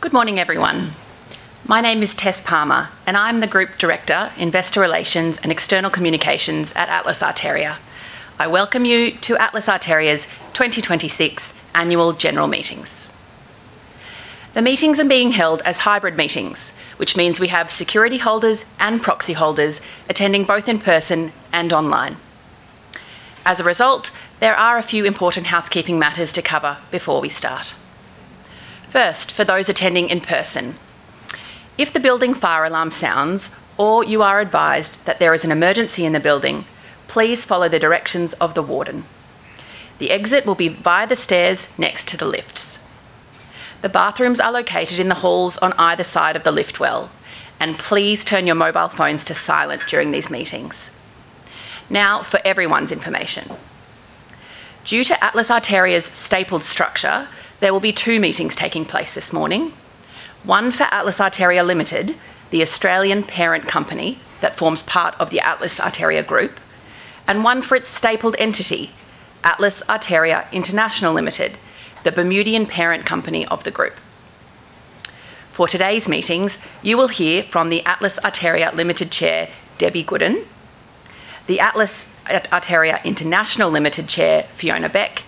Good morning, everyone. My name is Tess Palmer, and I'm the Group Director, Investor Relations and External Communications at Atlas Arteria. I welcome you to Atlas Arteria's 2026 annual general meetings. The meetings are being held as hybrid meetings, which means we have security holders and proxy holders attending both in person and online. As a result, there are a few important housekeeping matters to cover before we start. First, for those attending in person, if the building fire alarm sounds or you are advised that there is an emergency in the building, please follow the directions of the warden. The exit will be by the stairs next to the lifts. The bathrooms are located in the halls on either side of the lift well, and please turn your mobile phones to silent during these meetings. For everyone's information, due to Atlas Arteria's stapled structure, there will be two meetings taking place this morning, one for Atlas Arteria Limited, the Australian parent company that forms part of the Atlas Arteria Group, and one for its stapled entity, Atlas Arteria International Limited, the Bermudian parent company of the group. For today's meetings, you will hear from the Atlas Arteria Limited Chair, Debbie Goodin, the Atlas Arteria International Limited Chair, Fiona Beck,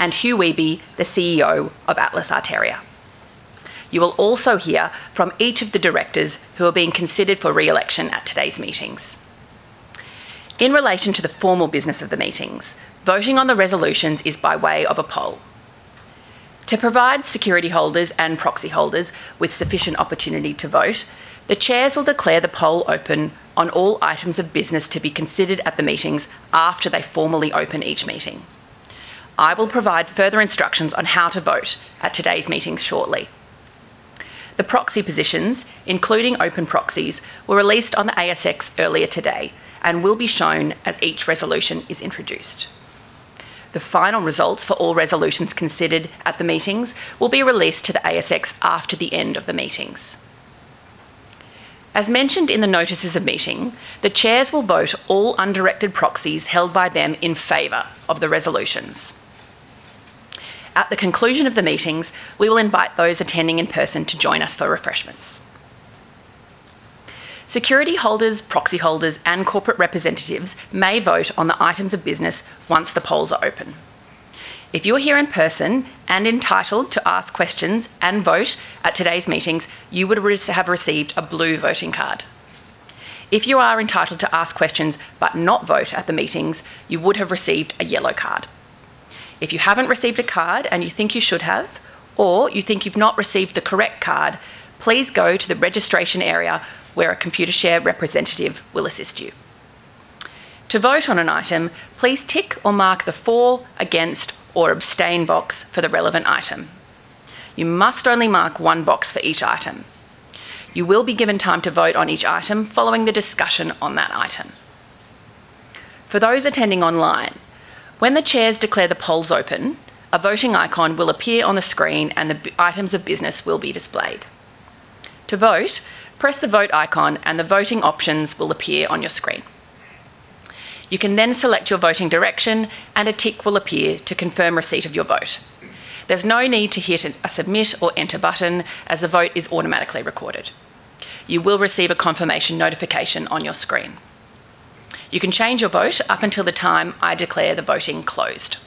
and Hugh Wehby, the CEO of Atlas Arteria. You will also hear from each of the directors who are being considered for re-election at today's meetings. In relation to the formal business of the meetings, voting on the resolutions is by way of a poll. To provide security holders and proxy holders with sufficient opportunity to vote, the chairs will declare the poll open on all items of business to be considered at the meetings after they formally open each meeting. I will provide further instructions on how to vote at today's meetings shortly. The proxy positions, including open proxies, were released on the ASX earlier today and will be shown as each resolution is introduced. The final results for all resolutions considered at the meetings will be released to the ASX after the end of the meetings. As mentioned in the notices of meeting, the chairs will vote all undirected proxies held by them in favor of the resolutions. At the conclusion of the meetings, we will invite those attending in person to join us for refreshments. Security holders, proxy holders, and corporate representatives may vote on the items of business once the polls are open. If you're here in person and entitled to ask questions and vote at today's meetings, you would have received a blue voting card. If you are entitled to ask questions but not vote at the meetings, you would have received a yellow card. If you haven't received a card and you think you should have, or you think you've not received the correct card, please go to the registration area where a Computershare representative will assist you. To vote on an item, please tick or mark the for, against, or abstain box for the relevant item. You must only mark one box for each item. You will be given time to vote on each item following the discussion on that item. For those attending online, when the chairs declare the polls open, a voting icon will appear on the screen and the items of business will be displayed. To vote, press the vote icon and the voting options will appear on your screen. You can then select your voting direction and a tick will appear to confirm receipt of your vote. There's no need to hit a submit or enter button as the vote is automatically recorded. You will receive a confirmation notification on your screen. You can change your vote up until the time I declare the voting closed.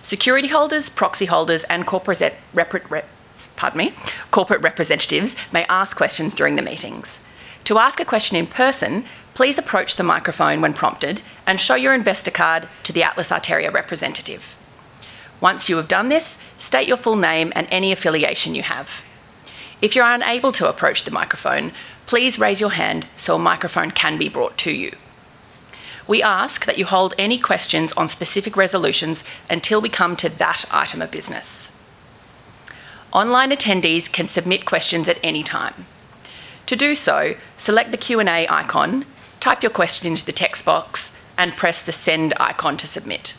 Security holders, proxy holders, and corporate reps, pardon me, corporate representatives may ask questions during the meetings. To ask a question in person, please approach the microphone when prompted and show your investor card to the Atlas Arteria representative. Once you have done this, state your full name and any affiliation you have. If you're unable to approach the microphone, please raise your hand so a microphone can be brought to you. We ask that you hold any questions on specific resolutions until we come to that item of business. Online attendees can submit questions at any time. To do so, select the Q&A icon, type your question into the text box, and press the send icon to submit.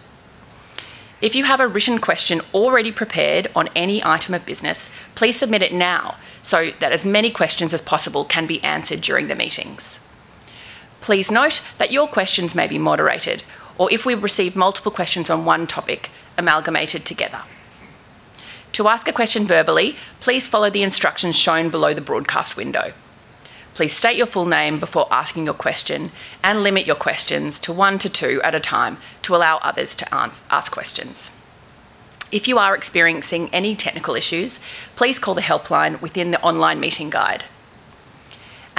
If you have a written question already prepared on any item of business, please submit it now so that as many questions as possible can be answered during the meetings. Please note that your questions may be moderated or, if we receive multiple questions on one topic, amalgamated together. To ask a question verbally, please follow the instructions shown below the broadcast window. Please state your full name before asking your question and limit your questions to one to two at a time to allow others to ask questions. If you are experiencing any technical issues, please call the helpline within the online meeting guide.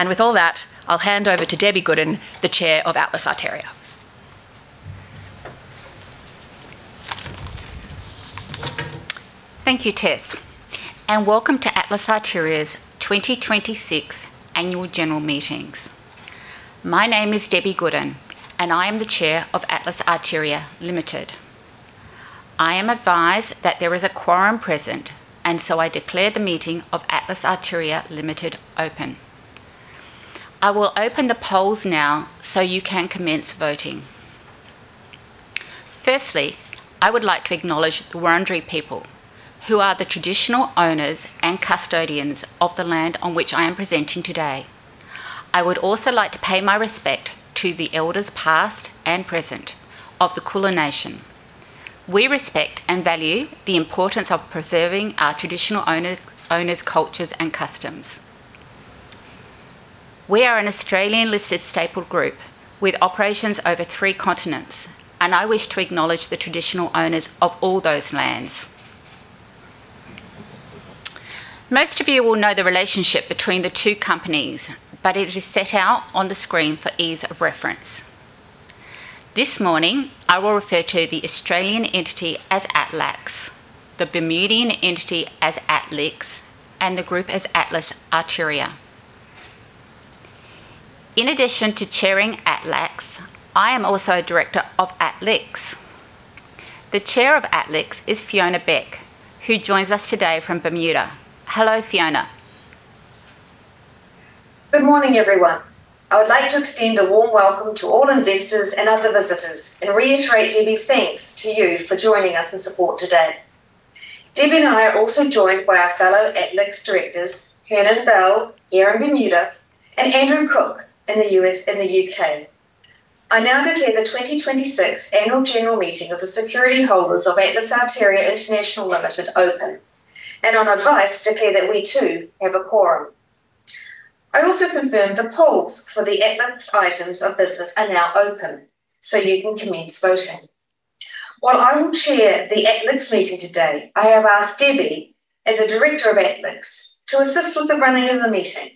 With all that, I'll hand over to Debbie Goodin, the Chair of Atlas Arteria. Thank you, Tess, and welcome to Atlas Arteria's 2026 annual general meetings. My name is Debbie Goodin, I am the chair of Atlas Arteria Limited. I am advised that there is a quorum present, I declare the meeting of Atlas Arteria Limited open. I will open the polls now so you can commence voting. Firstly, I would like to acknowledge the Wurundjeri people, who are the traditional owners and custodians of the land on which I am presenting today. I would also like to pay my respect to the elders past and present of the Kulin Nation. We respect and value the importance of preserving our traditional owner's cultures and customs. We are an Australian-listed staple group with operations over three continents, I wish to acknowledge the traditional owners of all those lands. Most of you will know the relationship between the two companies, it is set out on the screen for ease of reference. This morning, I will refer to the Australian entity as ATLAX, the Bermudian entity as ATLIX, and the group as Atlas Arteria. In addition to chairing ATLAX, I am also a director of ATLIX. The chair of ATLIX is Fiona Beck, who joins us today from Bermuda. Hello, Fiona. Good morning, everyone. I would like to extend a warm welcome to all investors and other visitors and reiterate Debbie's thanks to you for joining us and support today. Debbie and I are also joined by our fellow ATLIX directors, Kiernan Bell here in Bermuda, and Andrew Cook in the U.K. I now declare the 2026 annual general meeting of the security holders of Atlas Arteria International Limited open, and on advice declare that we, too, have a quorum. I also confirm the polls for the ATLIX items of business are now open, so you can commence voting. While I will chair the ATLIX meeting today, I have asked Debbie, as a director of ATLIX, to assist with the running of the meeting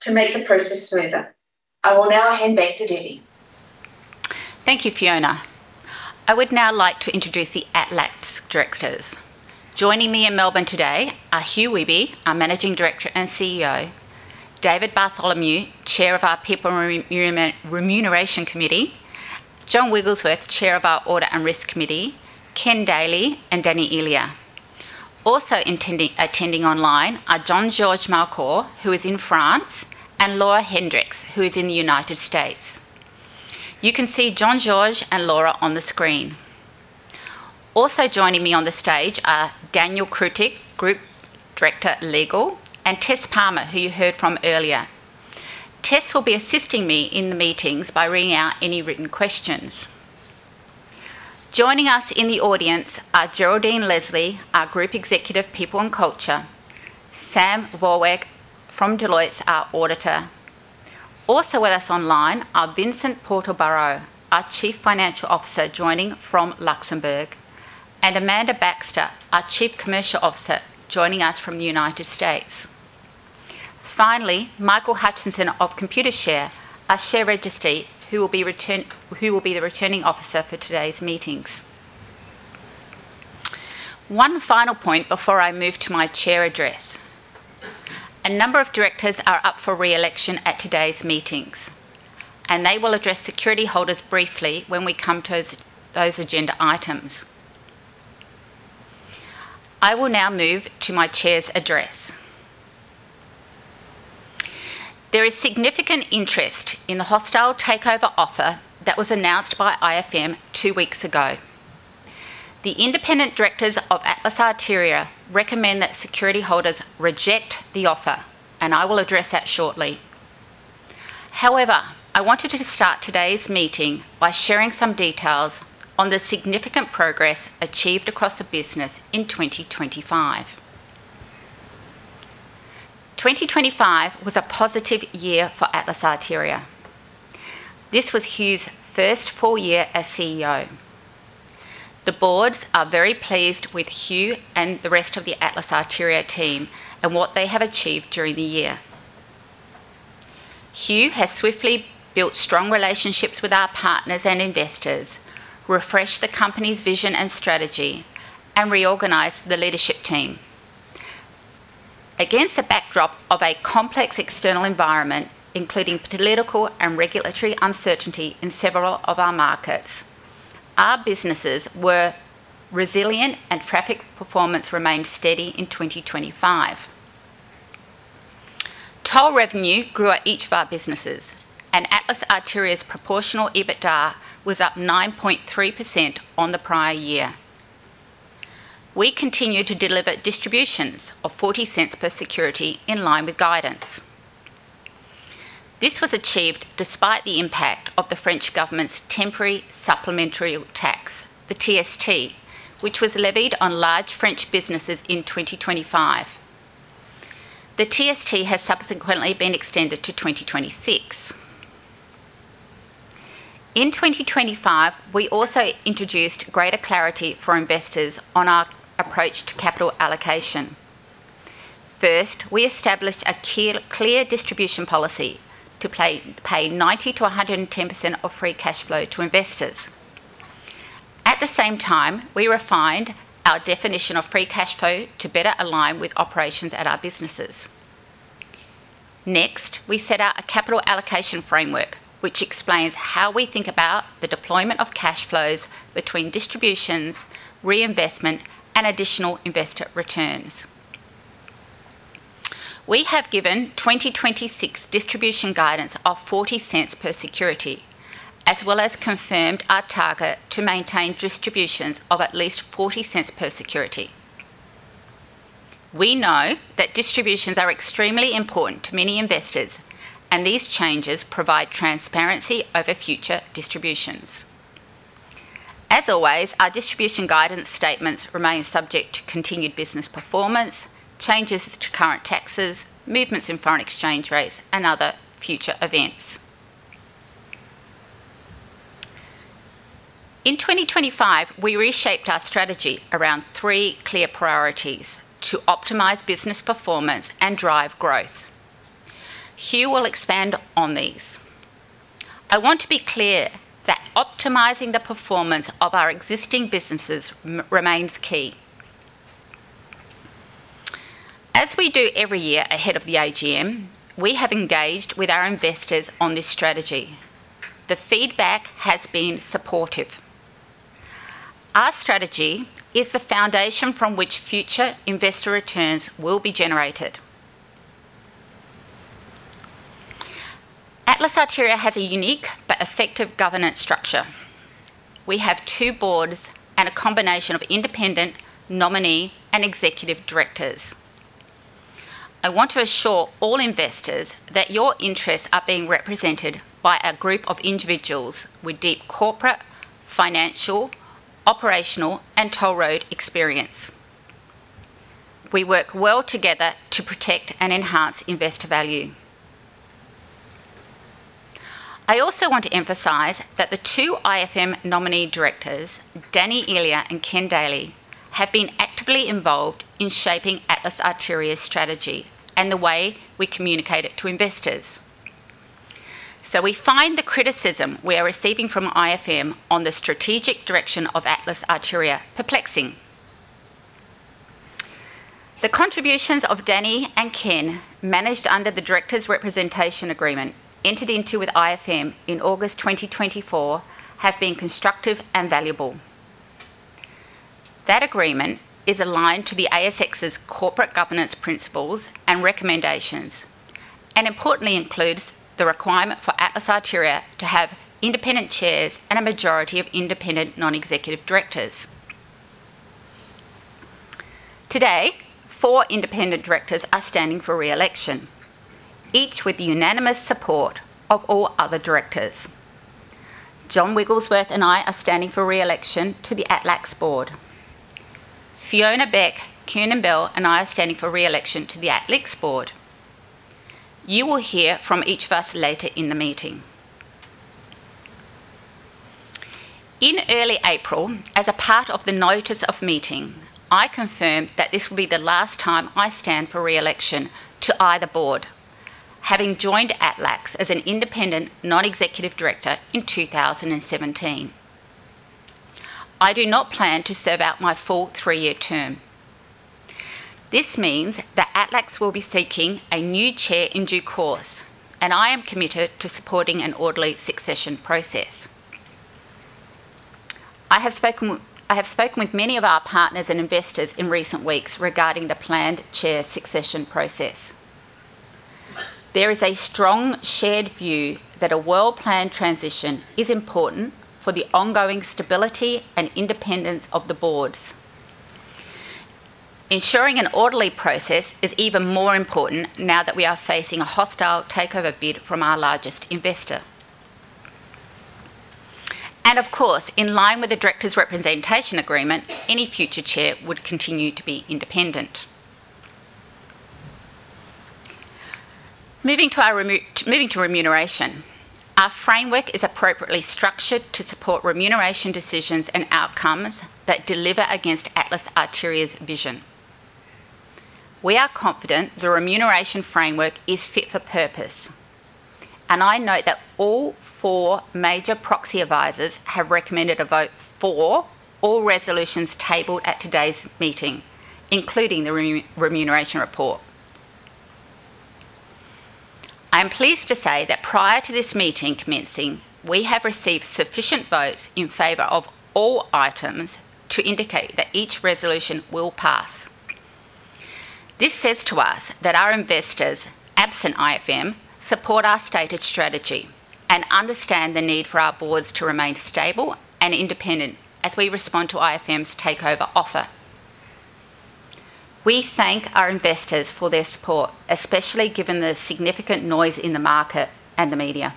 to make the process smoother. I will now hand back to Debbie. Thank you, Fiona. I would now like to introduce the ATLAX directors. Joining me in Melbourne today are Hugh Wehby, our Managing Director and CEO; David Bartholomew, Chair of our People Remuneration Committee; John Wigglesworth, Chair of our Audit and Risk Committee; Ken Daley; and Danny Elia. Attending online are Jean-Georges Malcor, who is in France, and Laura Hendricks, who is in the United States. You can see Jean-Georges and Laura on the screen. Joining me on the stage are Daniel Krutik, Group Director, Legal, and Tess Palmer, who you heard from earlier. Tess will be assisting me in the meetings by reading out any written questions. Joining us in the audience are Geraldine Leslie, our Group Executive, People and Culture; Sam Vorwerg from Deloitte, our Auditor. Also with us online are Vincent Portal-Barrault, our Chief Financial Officer, joining from Luxembourg, and Amanda Baxter, our Chief Commercial Officer, joining us from the U.S. Finally, Michael Hutchinson of Computershare, our share registry, who will be the Returning Officer for today's meetings. One final point before I move to my Chair address. A number of directors are up for re-election at today's meetings, and they will address security holders briefly when we come to those agenda items. I will now move to my Chair's address. There is significant interest in the hostile takeover offer that was announced by IFM two weeks ago. The independent directors of Atlas Arteria recommend that security holders reject the offer, and I will address that shortly. However, I wanted to start today's meeting by sharing some details on the significant progress achieved across the business in 2025. 2025 was a positive year for Atlas Arteria. This was Hugh's first full year as CEO. The boards are very pleased with Hugh and the rest of the Atlas Arteria team and what they have achieved during the year. Hugh has swiftly built strong relationships with our partners and investors, refreshed the company's vision and strategy, and reorganized the leadership team. Against the backdrop of a complex external environment, including political and regulatory uncertainty in several of our markets, our businesses were resilient and traffic performance remained steady in 2025. Toll revenue grew at each of our businesses, and Atlas Arteria's proportional EBITDA was up 9.3% on the prior year. We continued to deliver distributions of 0.40 per security in line with guidance. This was achieved despite the impact of the French government's temporary supplementary tax, the TST, which was levied on large French businesses in 2025. The TST has subsequently been extended to 2026. In 2025, we also introduced greater clarity for investors on our approach to capital allocation. First, we established a clear distribution policy to pay 90%-110% of free cash flow to investors. At the same time, we refined our definition of free cash flow to better align with operations at our businesses. We set out a capital allocation framework, which explains how we think about the deployment of cash flows between distributions, reinvestment, and additional investor returns. We have given 2026 distribution guidance of 0.40 per security, as well as confirmed our target to maintain distributions of at least 0.40 per security. We know that distributions are extremely important to many investors, and these changes provide transparency over future distributions. As always, our distribution guidance statements remain subject to continued business performance, changes to current taxes, movements in foreign exchange rates, and other future events. In 2025, we reshaped our strategy around three clear priorities to optimize business performance and drive growth. Hugh will expand on these. I want to be clear that optimizing the performance of our existing businesses remains key. As we do every year ahead of the AGM, we have engaged with our investors on this strategy. The feedback has been supportive. Our strategy is the foundation from which future investor returns will be generated. Atlas Arteria has a unique but effective governance structure. We have two boards and a combination of independent nominee and executive directors. I want to assure all investors that your interests are being represented by a group of individuals with deep corporate, financial, operational, and toll road experience. We work well together to protect and enhance investor value. I also want to emphasize that the two IFM nominee directors, Danny Elia and Ken Daley, have been actively involved in shaping Atlas Arteria's strategy and the way we communicate it to investors. We find the criticism we are receiving from IFM on the strategic direction of Atlas Arteria perplexing. The contributions of Danny and Ken, managed under the Director Representation Agreement entered into with IFM in August 2024, have been constructive and valuable. That agreement is aligned to the ASX's corporate governance principles and recommendations, and importantly includes the requirement for Atlas Arteria to have independent chairs and a majority of independent non-executive directors. Today, four independent directors are standing for re-election, each with the unanimous support of all other directors. John Wigglesworth and I are standing for re-election to the ATLAX board. Fiona Beck, Kiernan Bell, and I are standing for re-election to the ATLIX board. You will hear from each of us later in the meeting. In early April, as a part of the notice of meeting, I confirmed that this will be the last time I stand for re-election to either board, having joined ATLAX as an independent non-executive director in 2017. I do not plan to serve out my full three-year term. This means that ATLAX will be seeking a new chair in due course. I am committed to supporting an orderly succession process. I have spoken with many of our partners and investors in recent weeks regarding the planned chair succession process. There is a strong shared view that a well-planned transition is important for the ongoing stability and independence of the boards. Ensuring an orderly process is even more important now that we are facing a hostile takeover bid from our largest investor. Of course, in line with the Director Representation Agreement, any future chair would continue to be independent. Moving to remuneration. Our framework is appropriately structured to support remuneration decisions and outcomes that deliver against Atlas Arteria's vision. We are confident the remuneration framework is fit for purpose. I note that all four major proxy advisors have recommended a vote for all resolutions tabled at today's meeting, including the remuneration report. I am pleased to say that prior to this meeting commencing, we have received sufficient votes in favor of all items to indicate that each resolution will pass. This says to us that our investors, absent IFM, support our stated strategy and understand the need for our boards to remain stable and independent as we respond to IFM's takeover offer. We thank our investors for their support, especially given the significant noise in the market and the media.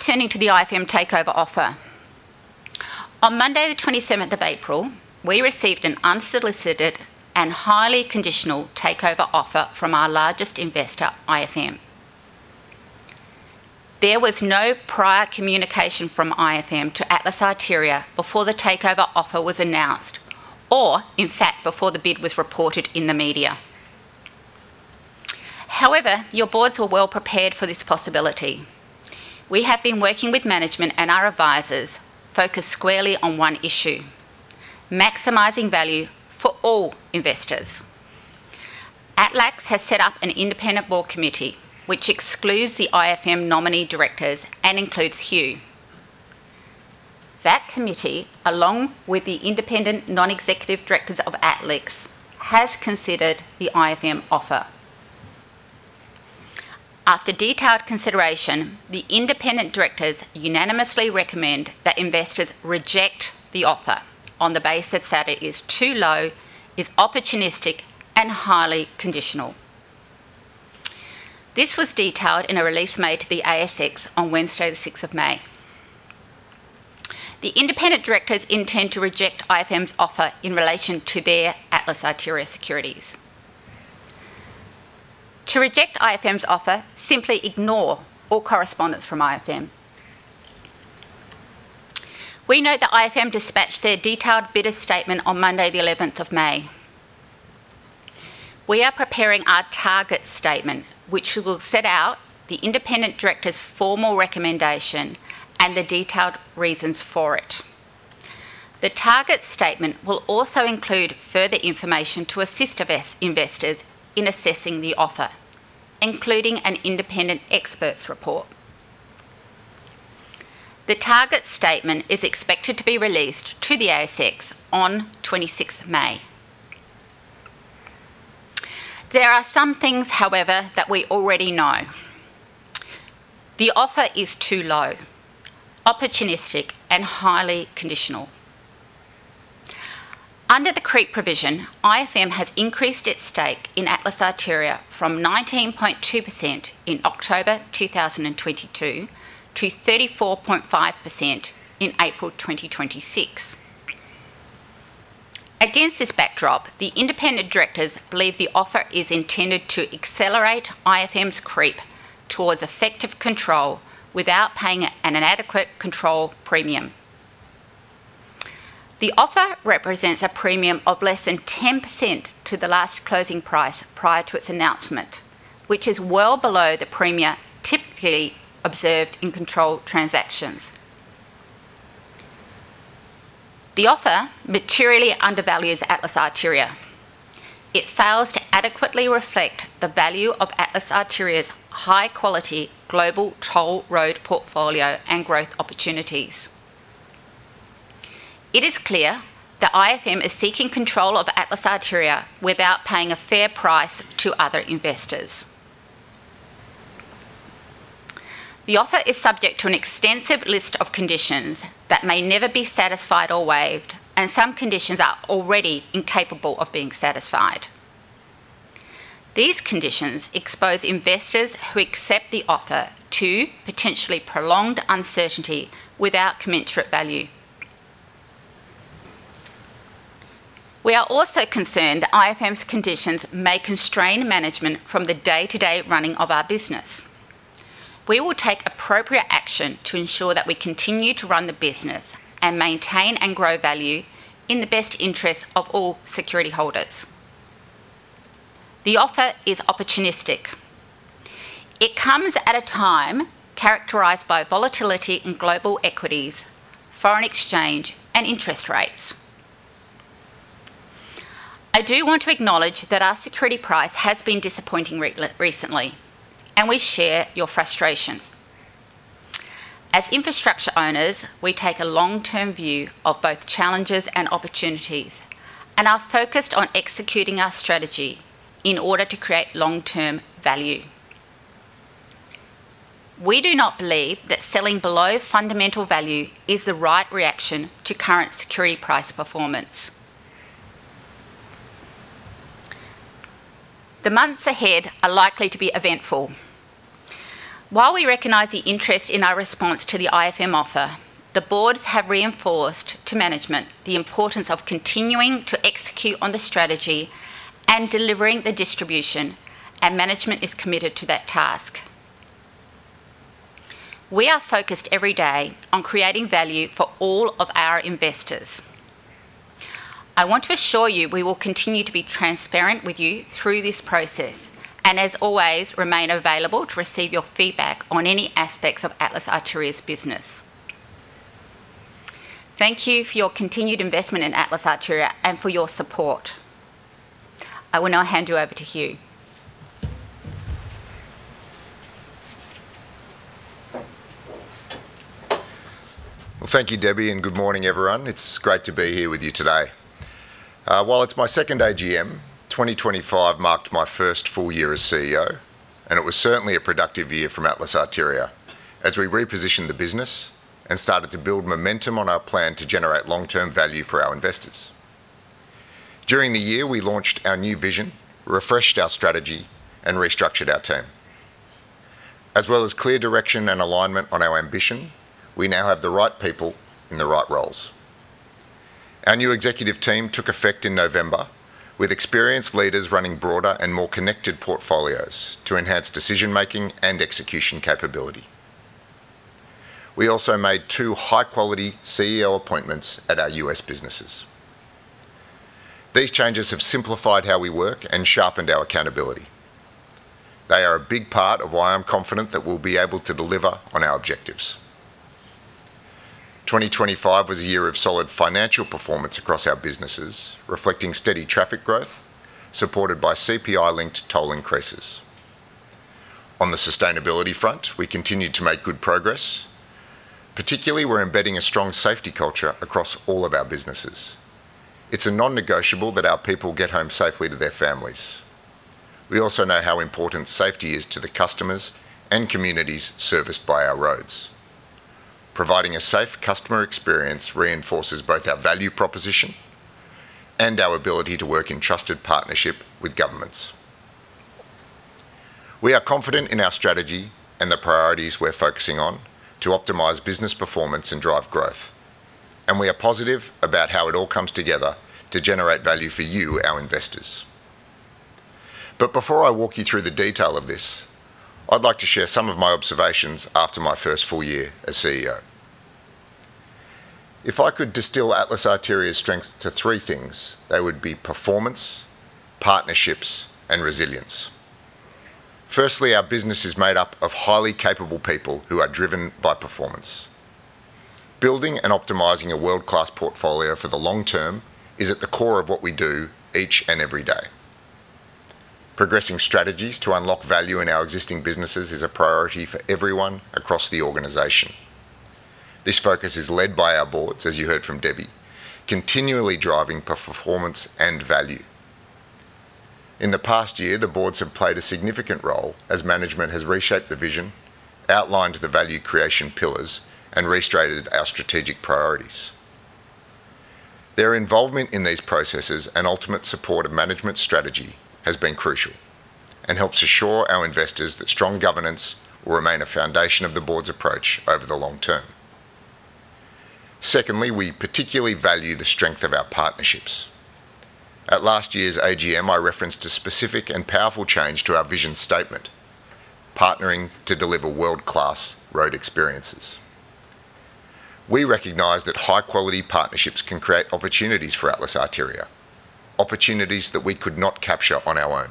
Turning to the IFM takeover offer. On Monday, 27th of April, we received an unsolicited and highly conditional takeover offer from our largest investor, IFM. There was no prior communication from IFM to Atlas Arteria before the takeover offer was announced, or in fact before the bid was reported in the media. However, your boards were well prepared for this possibility. We have been working with management and our advisors focused squarely on one issue: maximizing value for all investors. ATLAX has set up an independent board committee which excludes the IFM nominee directors and includes Hugh. That committee, along with the independent non-executive directors of ATLIX, has considered the IFM offer. After detailed consideration, the independent directors unanimously recommend that investors reject the offer on the base that that is too low, is opportunistic, and highly conditional. This was detailed in a release made to the ASX on Wednesday, the 6th of May. The independent directors intend to reject IFM's offer in relation to their Atlas Arteria securities. To reject IFM's offer, simply ignore all correspondence from IFM. We note that IFM dispatched their detailed bidder statement on Monday, the 11th of May. We are preparing our target statement, which will set out the independent director's formal recommendation and the detailed reasons for it. The target statement will also include further information to assist investors in assessing the offer, including an independent expert's report. The target statement is expected to be released to the ASX on 26th of May. There are some things, however, that we already know. The offer is too low, opportunistic, and highly conditional. Under the creep provision, IFM has increased its stake in Atlas Arteria from 19.2% in October 2022 to 34.5% in April 2026. Against this backdrop, the independent directors believe the offer is intended to accelerate IFM's creep towards effective control without paying an inadequate control premium. The offer represents a premium of less than 10% to the last closing price prior to its announcement, which is well below the premium typically observed in control transactions. The offer materially undervalues Atlas Arteria. It fails to adequately reflect the value of Atlas Arteria's high quality global toll road portfolio and growth opportunities. It is clear that IFM is seeking control of Atlas Arteria without paying a fair price to other investors. The offer is subject to an extensive list of conditions that may never be satisfied or waived, and some conditions are already incapable of being satisfied. These conditions expose investors who accept the offer to potentially prolonged uncertainty without commensurate value. We are also concerned that IFM's conditions may constrain management from the day-to-day running of our business. We will take appropriate action to ensure that we continue to run the business and maintain and grow value in the best interest of all security holders. The offer is opportunistic. It comes at a time characterized by volatility in global equities, foreign exchange, and interest rates. I do want to acknowledge that our security price has been disappointing recently, and we share your frustration. As infrastructure owners, we take a long-term view of both challenges and opportunities, and are focused on executing our strategy in order to create long-term value. We do not believe that selling below fundamental value is the right reaction to current security price performance. The months ahead are likely to be eventful. While we recognize the interest in our response to the IFM offer, the boards have reinforced to management the importance of continuing to execute on the strategy and delivering the distribution, and management is committed to that task. We are focused every day on creating value for all of our investors. I want to assure you we will continue to be transparent with you through this process, and as always, remain available to receive your feedback on any aspects of Atlas Arteria's business. Thank you for your continued investment in Atlas Arteria and for your support. I will now hand you over to Hugh. Well, thank you, Debbie, and good morning, everyone. It's great to be here with you today. While it's my second AGM, 2025 marked my first full year as CEO, and it was certainly a productive year from Atlas Arteria as we repositioned the business and started to build momentum on our plan to generate long-term value for our investors. During the year, we launched our new vision, refreshed our strategy, and restructured our team. As well as clear direction and alignment on our ambition, we now have the right people in the right roles. Our new executive team took effect in November, with experienced leaders running broader and more connected portfolios to enhance decision-making and execution capability. We also made two high-quality CEO appointments at our U.S. businesses. These changes have simplified how we work and sharpened our accountability. They are a big part of why I'm confident that we'll be able to deliver on our objectives. 2025 was a year of solid financial performance across our businesses, reflecting steady traffic growth, supported by CPI-linked toll increases. On the sustainability front, we continued to make good progress. Particularly, we're embedding a strong safety culture across all of our businesses. It's a non-negotiable that our people get home safely to their families. We also know how important safety is to the customers and communities serviced by our roads. Providing a safe customer experience reinforces both our value proposition and our ability to work in trusted partnership with governments. We are confident in our strategy and the priorities we're focusing on to optimize business performance and drive growth. We are positive about how it all comes together to generate value for you, our investors. Before I walk you through the detail of this, I'd like to share some of my observations after my first full year as CEO. If I could distill Atlas Arteria's strengths to three things, they would be performance, partnerships, and resilience. Firstly, our business is made up of highly capable people who are driven by performance. Building and optimizing a world-class portfolio for the long term is at the core of what we do each and every day. Progressing strategies to unlock value in our existing businesses is a priority for everyone across the organization. This focus is led by our boards, as you heard from Debbie, continually driving performance and value. In the past year, the boards have played a significant role as management has reshaped the vision, outlined the value creation pillars, and restated our strategic priorities. Their involvement in these processes and ultimate support of management strategy has been crucial and helps assure our investors that strong governance will remain a foundation of the board's approach over the long term. We particularly value the strength of our partnerships. At last year's AGM, I referenced a specific and powerful change to our vision statement, partnering to deliver world-class road experiences. We recognize that high-quality partnerships can create opportunities for Atlas Arteria, opportunities that we could not capture on our own,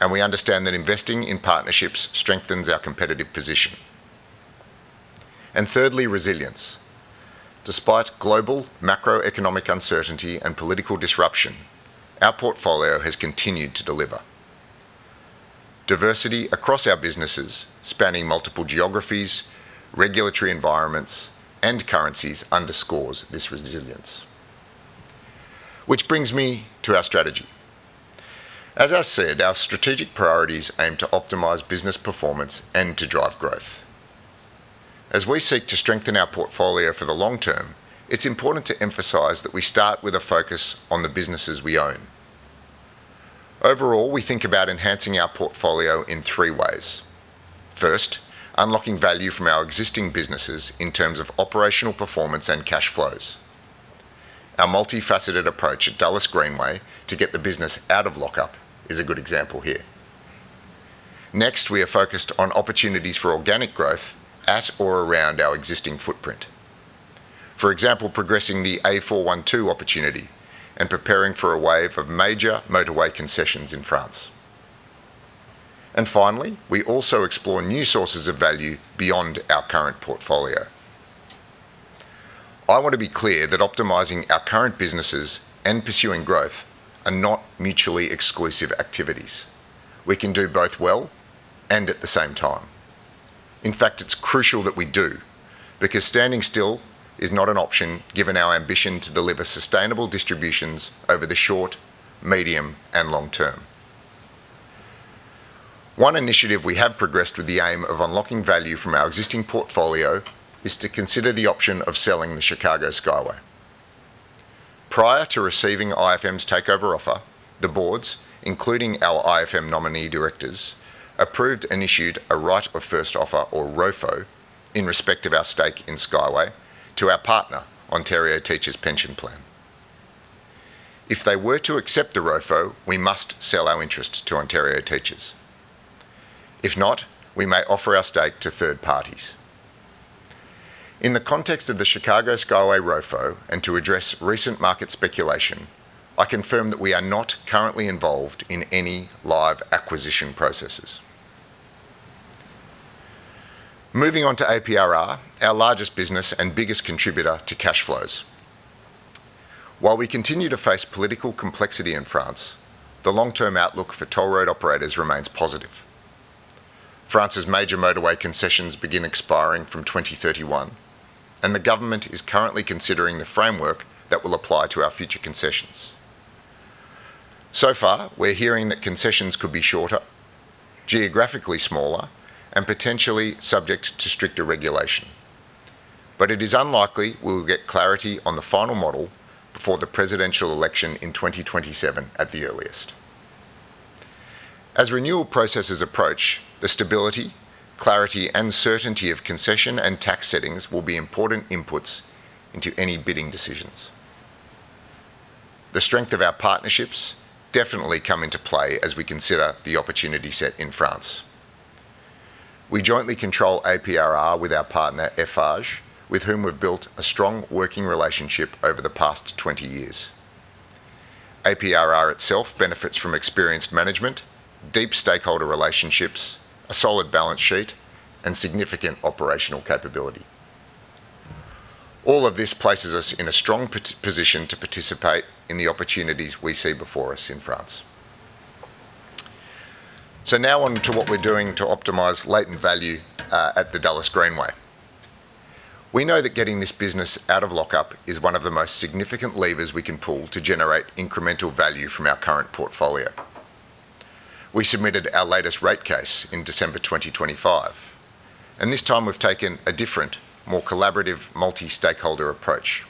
and we understand that investing in partnerships strengthens our competitive position. Thirdly, resilience. Despite global macroeconomic uncertainty and political disruption, our portfolio has continued to deliver. Diversity across our businesses, spanning multiple geographies, regulatory environments, and currencies underscores this resilience. Which brings me to our strategy. As I said, our strategic priorities aim to optimize business performance and to drive growth. As we seek to strengthen our portfolio for the long term, it's important to emphasize that we start with a focus on the businesses we own. Overall, we think about enhancing our portfolio in three ways. First, unlocking value from our existing businesses in terms of operational performance and cash flows. Our multifaceted approach at Dulles Greenway to get the business out of lockup is a good example here. Next, we are focused on opportunities for organic growth at or around our existing footprint. For example, progressing the A412 opportunity and preparing for a wave of major motorway concessions in France. Finally, we also explore new sources of value beyond our current portfolio. I want to be clear that optimizing our current businesses and pursuing growth are not mutually exclusive activities. We can do both well and at the same time. In fact, it's crucial that we do because standing still is not an option given our ambition to deliver sustainable distributions over the short, medium, and long term. One initiative we have progressed with the aim of unlocking value from our existing portfolio is to consider the option of selling the Chicago Skyway. Prior to receiving IFM's takeover offer, the boards, including our IFM nominee directors, approved and issued a Right of First Offer or ROFO in respect of our stake in Skyway to our partner, Ontario Teachers' Pension Plan. If they were to accept the ROFO, we must sell our interest to Ontario Teachers. If not, we may offer our stake to third parties. In the context of the Chicago Skyway ROFO and to address recent market speculation, I confirm that we are not currently involved in any live acquisition processes. Moving on to APRR, our largest business and biggest contributor to cash flows. While we continue to face political complexity in France, the long-term outlook for toll road operators remains positive. France's major motorway concessions begin expiring from 2031. The government is currently considering the framework that will apply to our future concessions. So far, we're hearing that concessions could be shorter, geographically smaller, and potentially subject to stricter regulation. It is unlikely we will get clarity on the final model before the presidential election in 2027 at the earliest. As renewal processes approach, the stability, clarity, and certainty of concession and tax settings will be important inputs into any bidding decisions. The strength of our partnerships definitely come into play as we consider the opportunity set in France. We jointly control APRR with our partner, Eiffage, with whom we've built a strong working relationship over the past 20 years. APRR itself benefits from experienced management, deep stakeholder relationships, a solid balance sheet, and significant operational capability. All of this places us in a strong position to participate in the opportunities we see before us in France. Now on to what we're doing to optimize latent value at the Dulles Greenway. We know that getting this business out of lockup is one of the most significant levers we can pull to generate incremental value from our current portfolio. We submitted our latest rate case in December 2025, and this time we've taken a different, more collaborative multi-stakeholder approach.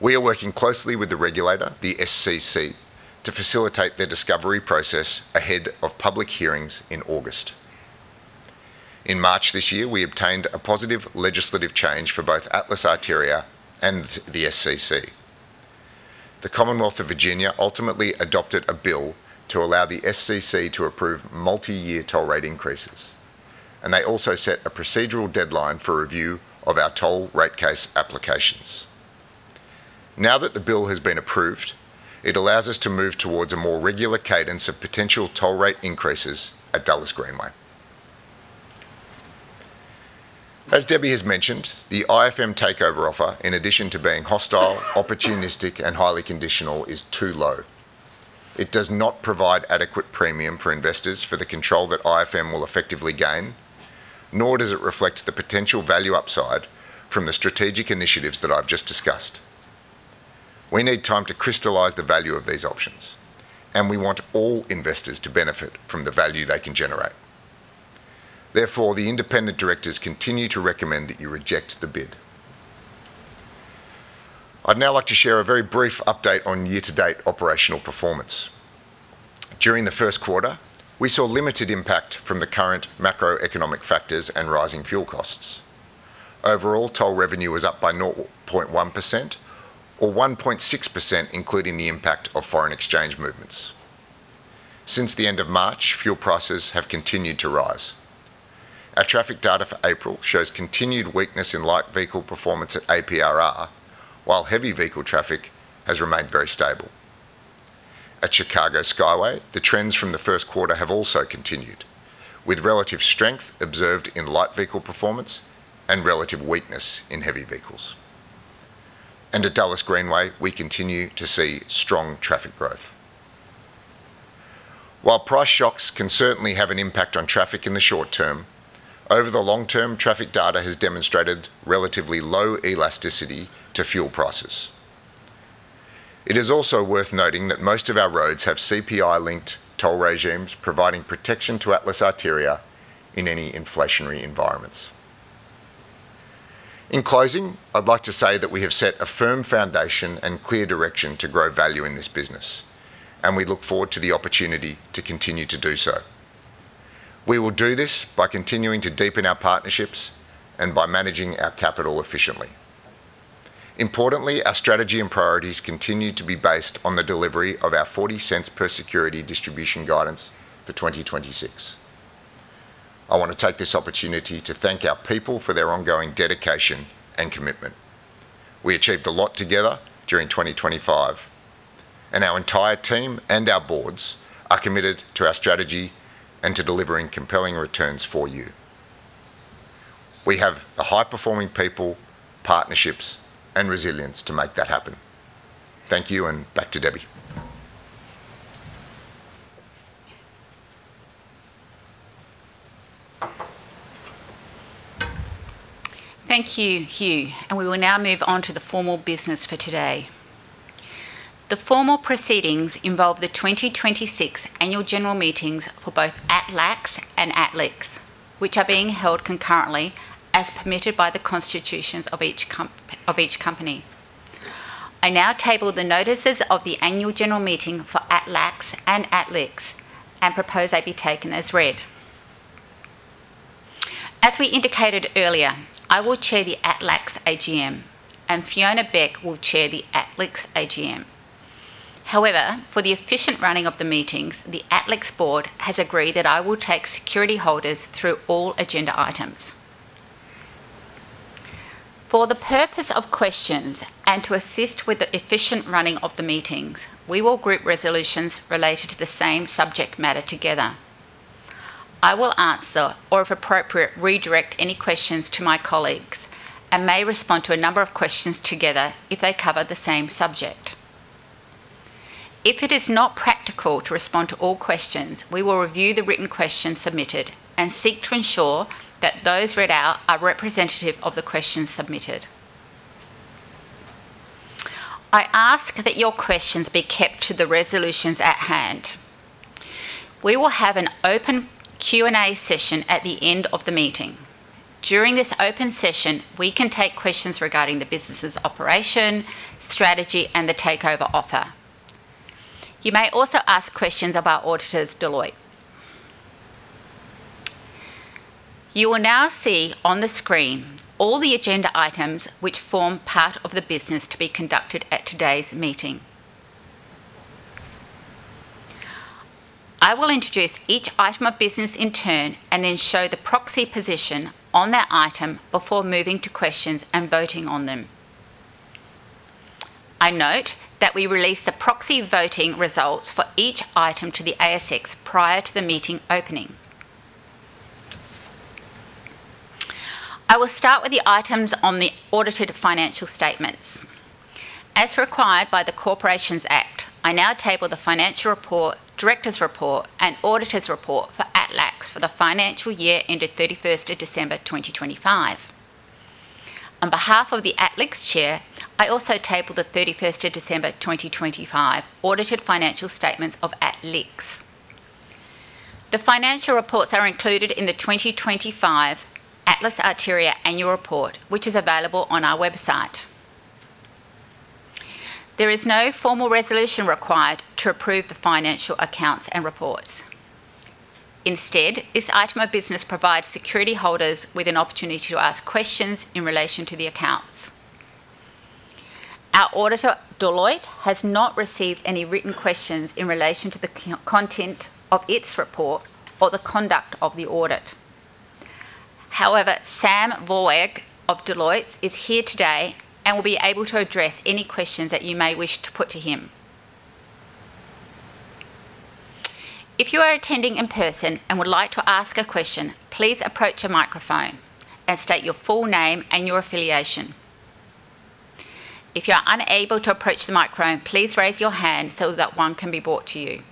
We are working closely with the regulator, the SCC, to facilitate their discovery process ahead of public hearings in August. In March this year, we obtained a positive legislative change for both Atlas Arteria and the SCC. The Commonwealth of Virginia ultimately adopted a bill to allow the SCC to approve multi-year toll rate increases. They also set a procedural deadline for review of our toll rate case applications. Now that the bill has been approved, it allows us to move towards a more regular cadence of potential toll rate increases at Dulles Greenway. As Debbie has mentioned, the IFM takeover offer, in addition to being hostile, opportunistic, and highly conditional, is too low. It does not provide adequate premium for investors for the control that IFM will effectively gain, nor does it reflect the potential value upside from the strategic initiatives that I've just discussed. We need time to crystallize the value of these options, and we want all investors to benefit from the value they can generate. The independent directors continue to recommend that you reject the bid. I'd now like to share a very brief update on year-to-date operational performance. During the first quarter, we saw limited impact from the current macroeconomic factors and rising fuel costs. Overall, toll revenue was up by 0.1% or 1.6% including the impact of foreign exchange movements. Since the end of March, fuel prices have continued to rise. Our traffic data for April shows continued weakness in light vehicle performance at APRR, while heavy vehicle traffic has remained very stable. At Chicago Skyway, the trends from the first quarter have also continued, with relative strength observed in light vehicle performance and relative weakness in heavy vehicles. At Dulles Greenway, we continue to see strong traffic growth. While price shocks can certainly have an impact on traffic in the short term, over the long term, traffic data has demonstrated relatively low elasticity to fuel prices. It is also worth noting that most of our roads have CPI-linked toll regimes providing protection to Atlas Arteria in any inflationary environments. In closing, I'd like to say that we have set a firm foundation and clear direction to grow value in this business, and we look forward to the opportunity to continue to do so. We will do this by continuing to deepen our partnerships and by managing our capital efficiently. Importantly, our strategy and priorities continue to be based on the delivery of our 0.40 per security distribution guidance for 2026. I want to take this opportunity to thank our people for their ongoing dedication and commitment. We achieved a lot together during 2025, and our entire team and our boards are committed to our strategy and to delivering compelling returns for you. We have the high-performing people, partnerships, and resilience to make that happen. Thank you, and back to Debbie. Thank you, Hugh. We will now move on to the formal business for today. The formal proceedings involve the 2026 annual general meetings for both ATLAX and ATLIX, which are being held concurrently as permitted by the constitutions of each company. I now table the notices of the annual general meeting for ATLAX and ATLIX and propose they be taken as read. As we indicated earlier, I will chair the ATLAX AGM and Fiona Beck will chair the ATLIX AGM. For the efficient running of the meetings, the ATLAX board has agreed that I will take security holders through all agenda items. For the purpose of questions and to assist with the efficient running of the meetings, we will group resolutions related to the same subject matter together. I will answer, or if appropriate, redirect any questions to my colleagues, and may respond to a number of questions together if they cover the same subject. If it is not practical to respond to all questions, we will review the written questions submitted and seek to ensure that those read out are representative of the questions submitted. I ask that your questions be kept to the resolutions at hand. We will have an open Q&A session at the end of the meeting. During this open session, we can take questions regarding the business' operation, strategy, and the takeover offer. You may also ask questions of our auditors, Deloitte. You will now see on the screen all the agenda items which form part of the business to be conducted at today's meeting. I will introduce each item of business in turn and then show the proxy position on that item before moving to questions and voting on them. I note that we release the proxy voting results for each item to the ASX prior to the meeting opening. I will start with the items on the audited financial statements. As required by the Corporations Act, I now table the financial report, directors' report, and auditors' report for ATLAX for the financial year ended 31st of December 2025. On behalf of the ATLIX chair, I also table the 31st of December 2025 audited financial statements of ATLIX. The financial reports are included in the 2025 Atlas Arteria annual report, which is available on our website. There is no formal resolution required to approve the financial accounts and reports. Instead, this item of business provides security holders with an opportunity to ask questions in relation to the accounts. Our auditor, Deloitte, has not received any written questions in relation to the content of its report or the conduct of the audit. Sam Vorwerg of Deloitte is here today and will be able to address any questions that you may wish to put to him. If you are attending in person and would like to ask a question, please approach a microphone and state your full name and your affiliation. If you're unable to approach the microphone, please raise your hand so that one can be brought to you.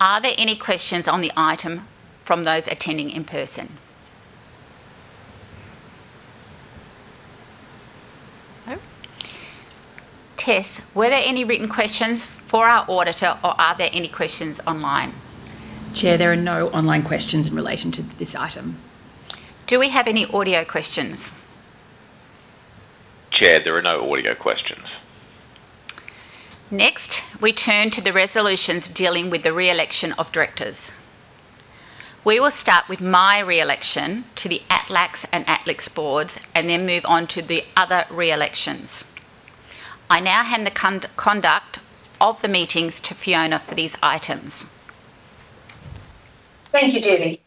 Are there any questions on the item from those attending in person? Tess, were there any written questions for our auditor or are there any questions online? Chair, there are no online questions in relation to this item. Do we have any audio questions? Chair, there are no audio questions. We turn to the resolutions dealing with the re-election of directors. We will start with my re-election to the ATLAX and ATLIX boards and then move on to the other re-elections. I now hand the conduct of the meetings to Fiona for these items. Thank you, Debbie.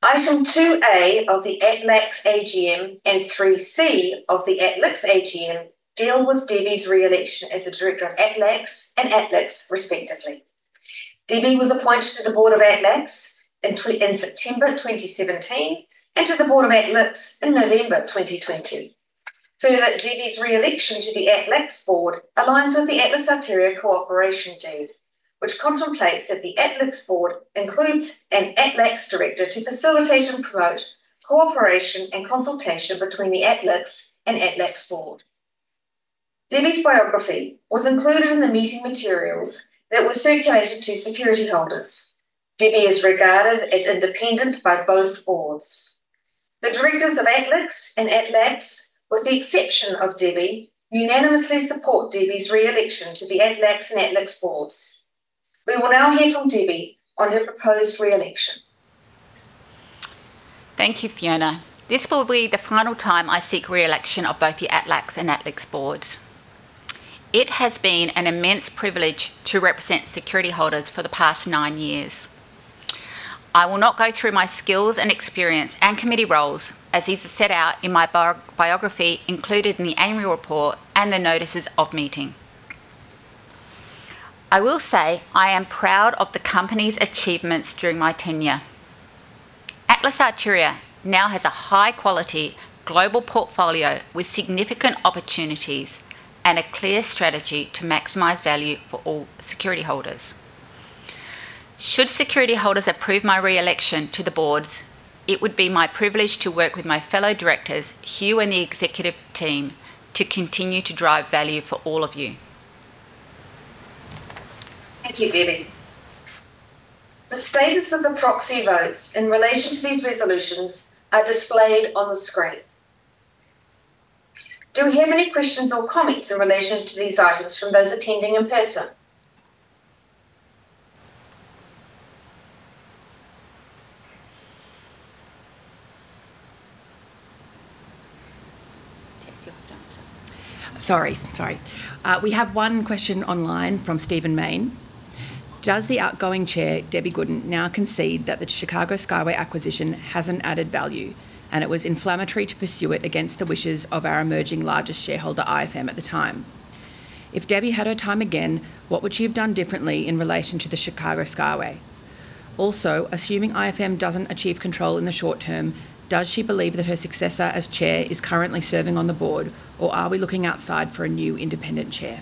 Item 2a of the ATLAX AGM and 3c of the ATLIX AGM deal with Debbie's re-election as a director of ATLAX and ATLIX respectively. Debbie was appointed to the board of ATLAX in September 2017 and to the board of ATLIX in November 2020. Further, Debbie's re-election to the ATLAX board aligns with the Atlas Arteria cooperation deed, which contemplates that the ATLIX board includes an ATLAX director to facilitate and promote cooperation and consultation between the ATLIX and ATLAX board. Debbie's biography was included in the meeting materials that were circulated to security holders. Debbie is regarded as independent by both boards. The directors of ATLIX and ATLAX, with the exception of Debbie, unanimously support Debbie's re-election to the ATLAX and ATLIX boards. We will now hear from Debbie on her proposed re-election. Thank you, Fiona. This will be the final time I seek re-election of both the ATLAX and ATLIX boards. It has been an immense privilege to represent security holders for the past nine years. I will not go through my skills and experience and committee roles, as these are set out in my biography included in the annual report and the notices of meeting. I will say I am proud of the company's achievements during my tenure. Atlas Arteria now has a high quality global portfolio with significant opportunities and a clear strategy to maximize value for all security holders. Should security holders approve my re-election to the boards, it would be my privilege to work with my fellow directors, Hugh and the executive team, to continue to drive value for all of you. Thank you, Debbie. The status of the proxy votes in relation to these resolutions are displayed on the screen. Do we have any questions or comments in relation to these items from those attending in person? Tess, you have to answer. Sorry, sorry. We have one question online from Stephen Mayne. Does the outgoing Chair, Debbie Goodin, now concede that the Chicago Skyway acquisition hasn't added value, and it was inflammatory to pursue it against the wishes of our emerging largest shareholder, IFM, at the time? If Debbie had her time again, what would she have done differently in relation to the Chicago Skyway? Also, assuming IFM doesn't achieve control in the short term, does she believe that her successor as chair is currently serving on the board, or are we looking outside for a new independent chair?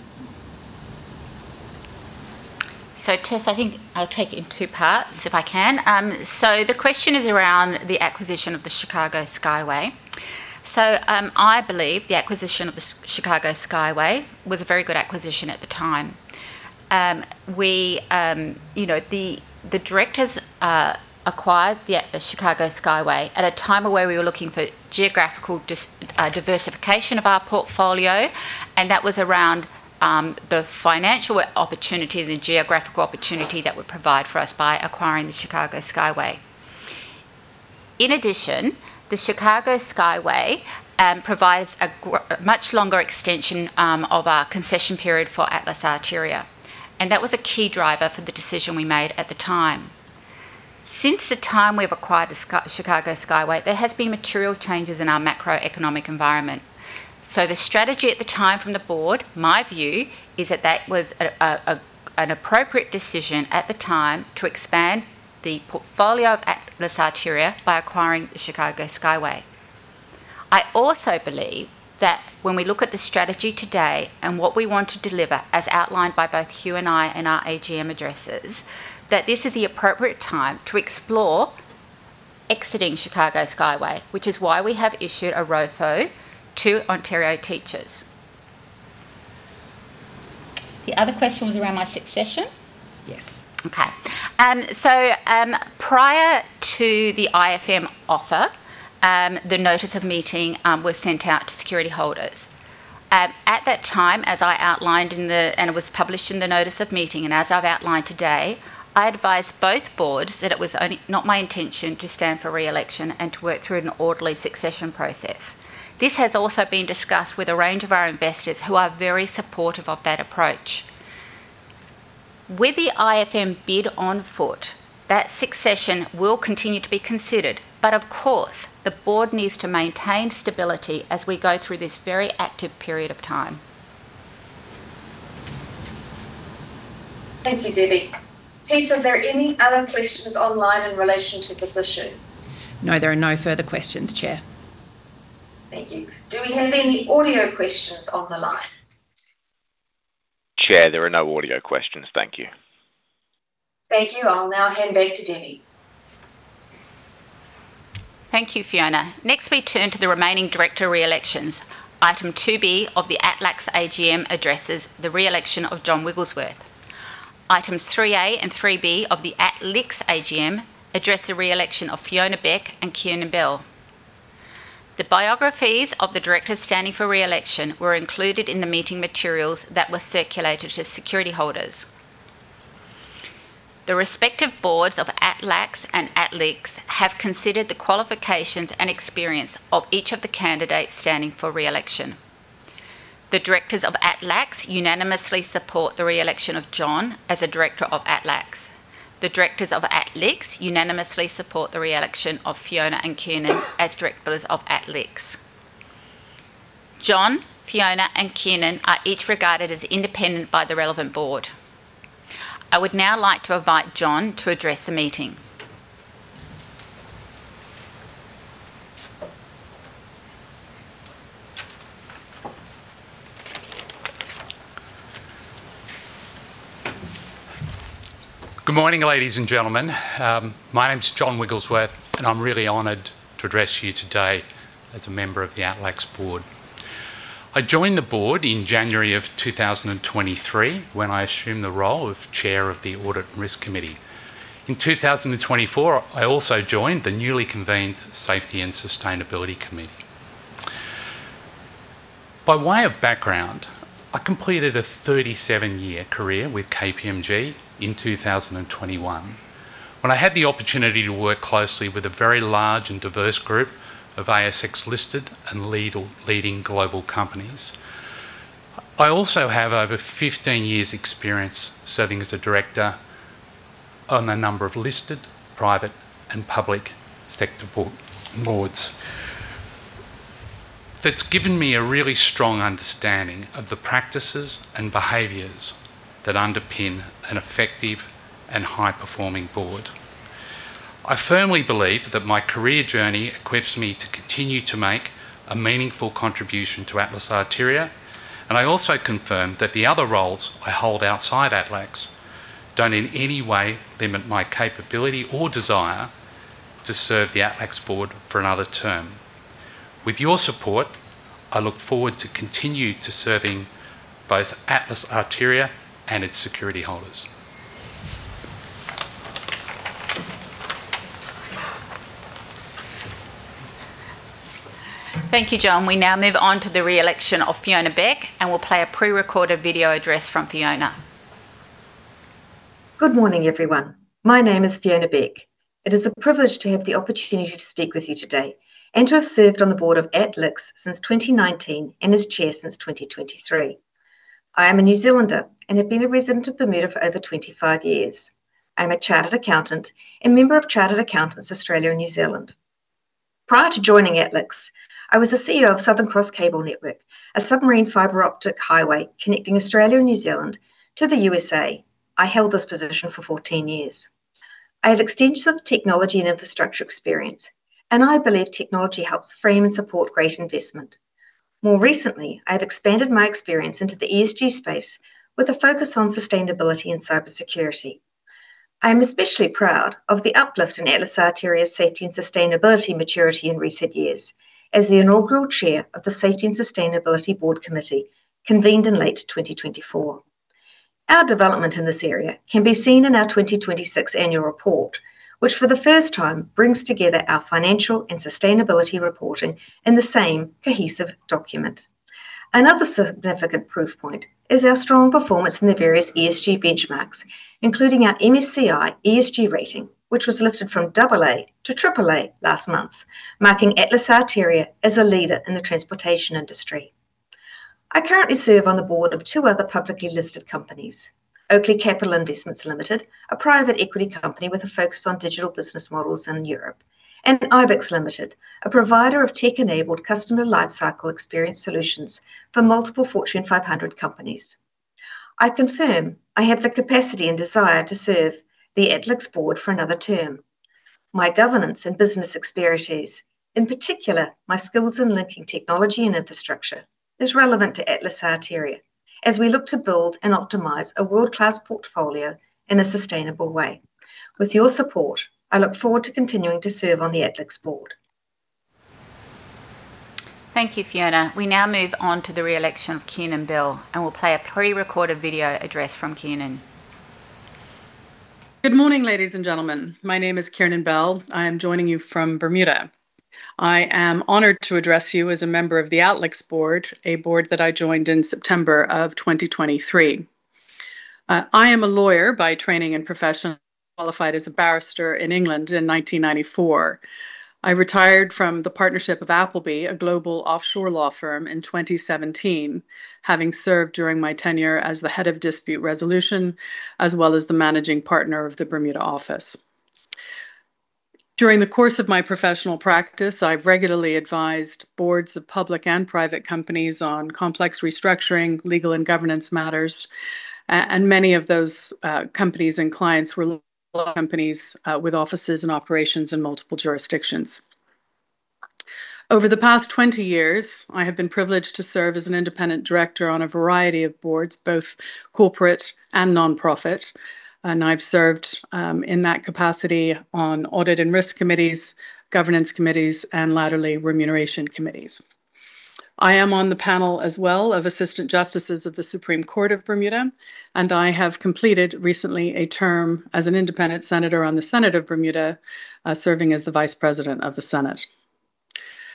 Tess, I think I'll take it in two parts, if I can. The question is around the acquisition of the Chicago Skyway. I believe the acquisition of the Chicago Skyway was a very good acquisition at the time. We, you know, the directors acquired the Chicago Skyway at a time where we were looking for geographical diversification of our portfolio, and that was around the financial opportunity and the geographical opportunity that would provide for us by acquiring the Chicago Skyway. In addition, the Chicago Skyway provides a much longer extension of our concession period for Atlas Arteria, and that was a key driver for the decision we made at the time. Since the time we've acquired the Chicago Skyway, there has been material changes in our macroeconomic environment. The strategy at the time from the board, my view, is that that was an appropriate decision at the time to expand the portfolio of Atlas Arteria by acquiring the Chicago Skyway. I also believe that when we look at the strategy today and what we want to deliver, as outlined by both Hugh and I in our AGM addresses, that this is the appropriate time to explore exiting Chicago Skyway, which is why we have issued a ROFO to Ontario Teachers. The other question was around my succession? Yes. Prior to the IFM offer, the notice of meeting was sent out to security holders. At that time, as I outlined in the and it was published in the notice of meeting, and as I've outlined today, I advised both boards that it was not my intention to stand for re-election and to work through an orderly succession process. This has also been discussed with a range of our investors who are very supportive of that approach. With the IFM bid on foot, that succession will continue to be considered, but of course the board needs to maintain stability as we go through this very active period of time. Thank you, Debbie. Tess, are there any other questions online in relation to this issue? No, there are no further questions, Chair. Thank you. Do we have any audio questions on the line? Chair, there are no audio questions. Thank you. Thank you. I'll now hand back to Debbie. Thank you, Fiona. Next, we turn to the remaining director re-elections. Item 2b of the ATLAX AGM addresses the re-election of John Wigglesworth. Items 3a and 3b of the ATLIX AGM address the re-election of Fiona Beck and Kiernan Bell. The biographies of the directors standing for re-election were included in the meeting materials that were circulated to security holders. The respective boards of ATLAX and ATLIX have considered the qualifications and experience of each of the candidates standing for re-election. The directors of ATLAX unanimously support the re-election of John as a director of ATLAX. The directors of ATLIX unanimously support the re-election of Fiona and Kiernan as directors of ATLIX. John, Fiona, and Kiernan are each regarded as independent by the relevant board. I would now like to invite John to address the meeting. Good morning, ladies and gentlemen. My name's John Wigglesworth, and I'm really honored to address you today as a member of the ATLAX board. I joined the board in January of 2023 when I assumed the role of Chair of the Audit and Risk Committee. In 2024, I also joined the newly convened Safety and Sustainability Committee. By way of background, I completed a 37-year career with KPMG in 2021 when I had the opportunity to work closely with a very large and diverse group of ASX-listed and leading global companies. I also have over 15 years experience serving as a director on a number of listed private and public sector boards. That's given me a really strong understanding of the practices and behaviors that underpin an effective and high-performing board. I firmly believe that my career journey equips me to continue to make a meaningful contribution to Atlas Arteria, and I also confirm that the other roles I hold outside ATLAX don't in any way limit my capability or desire to serve the ATLAX board for another term. With your support, I look forward to continue to serving both Atlas Arteria and its security holders. Thank you, John. We now move on to the re-election of Fiona Beck, and we'll play a pre-recorded video address from Fiona. Good morning, everyone. My name is Fiona Beck. It is a privilege to have the opportunity to speak with you today and to have served on the board of ATLIX since 2019 and as Chair since 2023. I am a New Zealander and have been a resident of Bermuda for over 25 years. I'm a chartered accountant and member of Chartered Accountants Australia and New Zealand. Prior to joining ATLIX, I was the CEO of Southern Cross Cable Network, a submarine fiber-optic highway connecting Australia and New Zealand to the U.S. I held this position for 14 years. I have extensive technology and infrastructure experience. I believe technology helps frame and support great investment. More recently, I have expanded my experience into the ESG space with a focus on sustainability and cybersecurity. I am especially proud of the uplift in Atlas Arteria's safety and sustainability maturity in recent years as the inaugural Chair of the Safety and Sustainability Board Committee convened in late 2024. Our development in this area can be seen in our 2026 annual report, which for the first time brings together our financial and sustainability reporting in the same cohesive document. Another significant proof point is our strong performance in the various ESG benchmarks, including our MSCI ESG rating, which was lifted from double A to triple A last month, marking Atlas Arteria as a leader in the transportation industry. I currently serve on the board of two other publicly listed companies, Oakley Capital Investments Limited, a private equity company with a focus on digital business models in Europe, and IBEX Limited, a provider of tech-enabled customer lifecycle experience solutions for multiple Fortune 500 companies. I confirm I have the capacity and desire to serve the ATLIX board for another term. My governance and business expertise, in particular my skills in linking technology and infrastructure, is relevant to Atlas Arteria as we look to build and optimize a world-class portfolio in a sustainable way. With your support, I look forward to continuing to serve on the ATLIX board. Thank you, Fiona. We now move on to the re-election of Kiernan Bell, and we'll play a pre-recorded video address from Kiernan. Good morning, ladies and gentlemen. My name is Kiernan Bell. I am joining you from Bermuda. I am honored to address you as a member of the ATLIX board, a board that I joined in September of 2023. I am a lawyer by training and profession, qualified as a barrister in England in 1994. I retired from the partnership of Appleby, a global offshore law firm, in 2017, having served during my tenure as the head of dispute resolution, as well as the Managing Partner of the Bermuda office. During the course of my professional practice, I've regularly advised boards of public and private companies on complex restructuring, legal and governance matters. Many of those companies and clients were law companies, with offices and operations in multiple jurisdictions. Over the past 20 years, I have been privileged to serve as an independent director on a variety of boards, both corporate and nonprofit, and I've served in that capacity on audit and risk committees, governance committees, and latterly remuneration committees. I am on the panel as well of Assistant Justices of the Supreme Court of Bermuda, and I have completed recently a term as an independent senator on the Senate of Bermuda, serving as the Vice President of the Senate.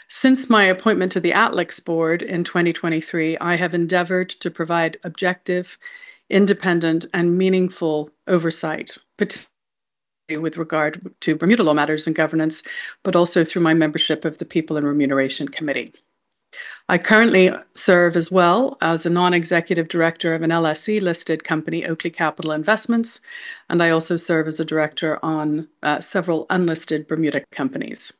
Since my appointment to the ATLIX board in 2023, I have endeavored to provide objective, independent, and meaningful oversight, particularly with regard to Bermuda law matters and governance, but also through my membership of the People and Remuneration Committee. I currently serve as well as a non-executive director of an LSE-listed company, Oakley Capital Investments, and I also serve as a director on several unlisted Bermudan companies.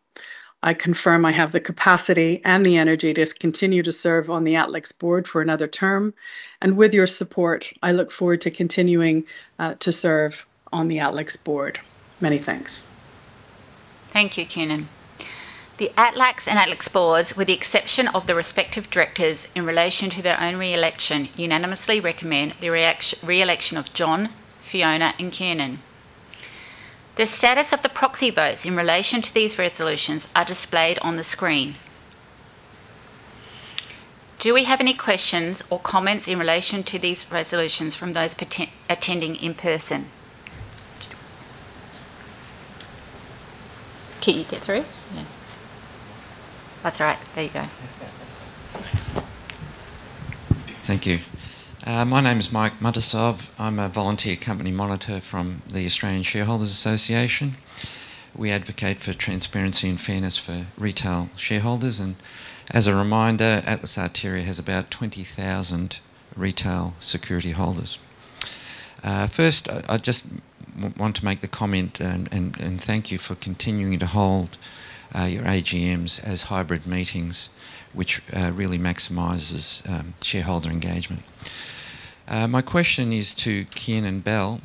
I confirm I have the capacity and the energy to continue to serve on the ATLIX board for another term, and with your support, I look forward to continuing to serve on the ATLIX board. Many thanks. Thank you, Kiernan. The ATLAX and ATLIX boards, with the exception of the respective directors in relation to their own re-election, unanimously recommend the re-election of John, Fiona, and Kiernan. The status of the proxy votes in relation to these resolutions are displayed on the screen. Do we have any questions or comments in relation to these resolutions from those attending in person? Can you get through? Yeah. That's all right. There you go. Thank you. My name is Mike Muntisov. I'm a Volunteer Company Monitor from the Australian Shareholders' Association. We advocate for transparency and fairness for retail shareholders. As a reminder, Atlas Arteria has about 20,000 retail security holders. First, I want to make the comment and thank you for continuing to hold your AGMs as hybrid meetings, which really maximizes shareholder engagement. My question is to Kiernan Bell.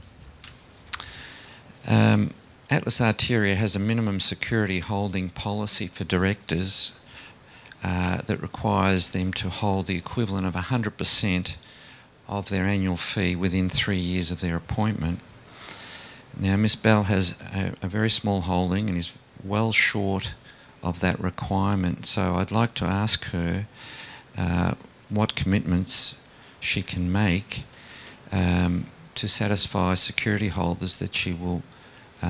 Atlas Arteria has a minimum security holding policy for directors that requires them to hold the equivalent of 100% of their annual fee within three years of their appointment. Ms. Bell has a very small holding and is well short of that requirement. I'd like to ask her, what commitments she can make, to satisfy security holders that she will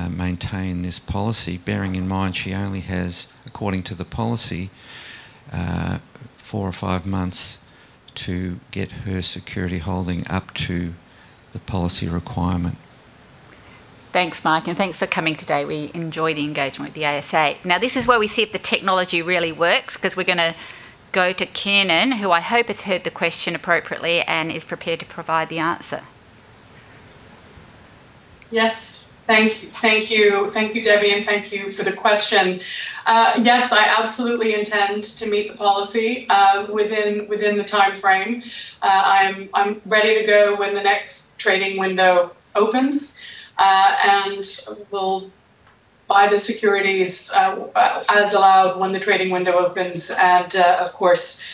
maintain this policy, bearing in mind she only has, according to the policy, four or five months to get her security holding up to the policy requirement. Thanks, Mike, and thanks for coming today. We enjoy the engagement with the ASA. This is where we see if the technology really works, 'cause we're gonna go to Kiernan, who I hope has heard the question appropriately and is prepared to provide the answer. Yes. Thank you. Thank you, Debbie, and thank you for the question. Yes, I absolutely intend to meet the policy within the timeframe. I'm ready to go when the next trading window opens. Will buy the securities as allowed when the trading window opens and of course,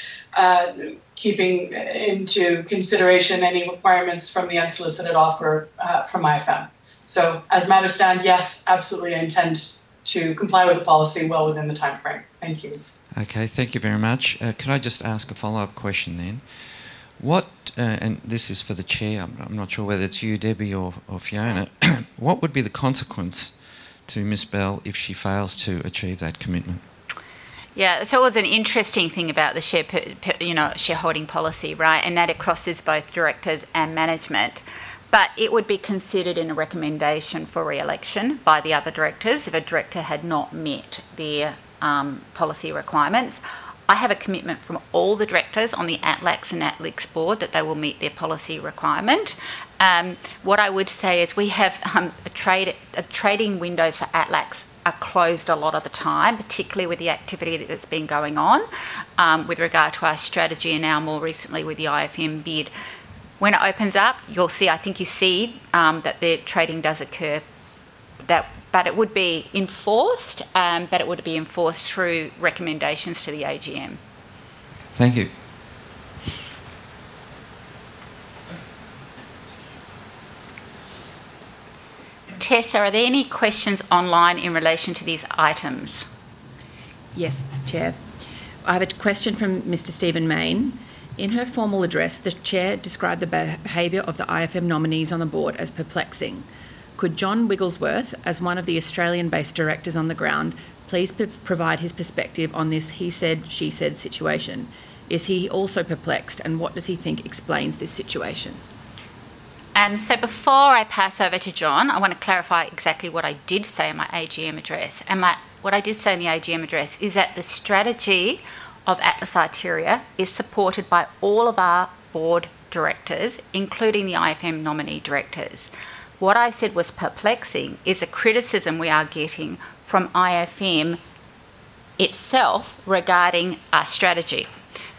keeping into consideration any requirements from the unsolicited offer from IFM. As a matter stand, yes, absolutely, I intend to comply with the policy well within the timeframe. Thank you. Okay. Thank you very much. Could I just ask a follow-up question then? This is for the Chair. I'm not sure whether it's you, Debbie, or Fiona. What would be the consequence to Ms. Bell if she fails to achieve that commitment? Yeah. It's always an interesting thing about the, you know, shareholding policy, right? In that it crosses both directors and management. It would be considered in a recommendation for re-election by the other directors if a director had not met their policy requirements. I have a commitment from all the directors on the ATLIX and ATLIX board that they will meet their policy requirement. What I would say is we have a trade, trading windows for ATLIX are closed a lot of the time, particularly with the activity that has been going on with regard to our strategy and now more recently with the IFM bid. When it opens up, you'll see that the trading does occur. It would be enforced through recommendations to the AGM. Thank you. Tess, are there any questions online in relation to these items? Yes, Chair. I have a question from Mr. Stephen Mayne. In her formal address, the Chair described the behavior of the IFM nominees on the Board as perplexing. Could John Wigglesworth, as one of the Australian-based Directors on the ground, please provide his perspective on this he said, she said situation? Is he also perplexed? What does he think explains this situation? Before I pass over to John, I wanna clarify exactly what I did say in my AGM address. What I did say in the AGM address is that the strategy of Atlas Arteria is supported by all of our board directors, including the IFM nominee directors. What I said was perplexing is a criticism we are getting from IFM itself regarding our strategy.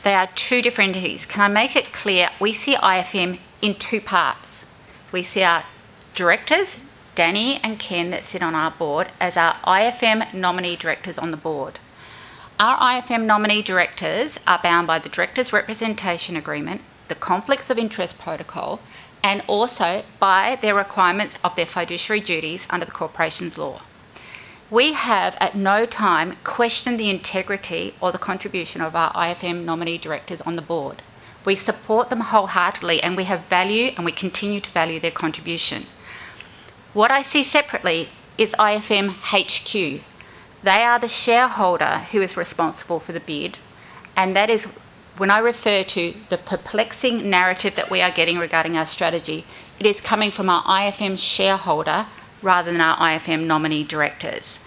They are two different entities. Can I make it clear, we see IFM in two parts. We see our directors, Danny and Ken, that sit on our board as our IFM nominee directors on the board. Our IFM nominee directors are bound by the Director Representation Agreement, the conflicts of interest protocol, and also by their requirements of their fiduciary duties under the corporations law. We have, at no time, questioned the integrity or the contribution of our IFM nominee directors on the board. We support them wholeheartedly, and we have value, and we continue to value their contribution. What I see separately is IFM HQ. They are the shareholder who is responsible for the bid, and that is when I refer to the perplexing narrative that we are getting regarding our strategy, it is coming from our IFM shareholder rather than our IFM nominee directors.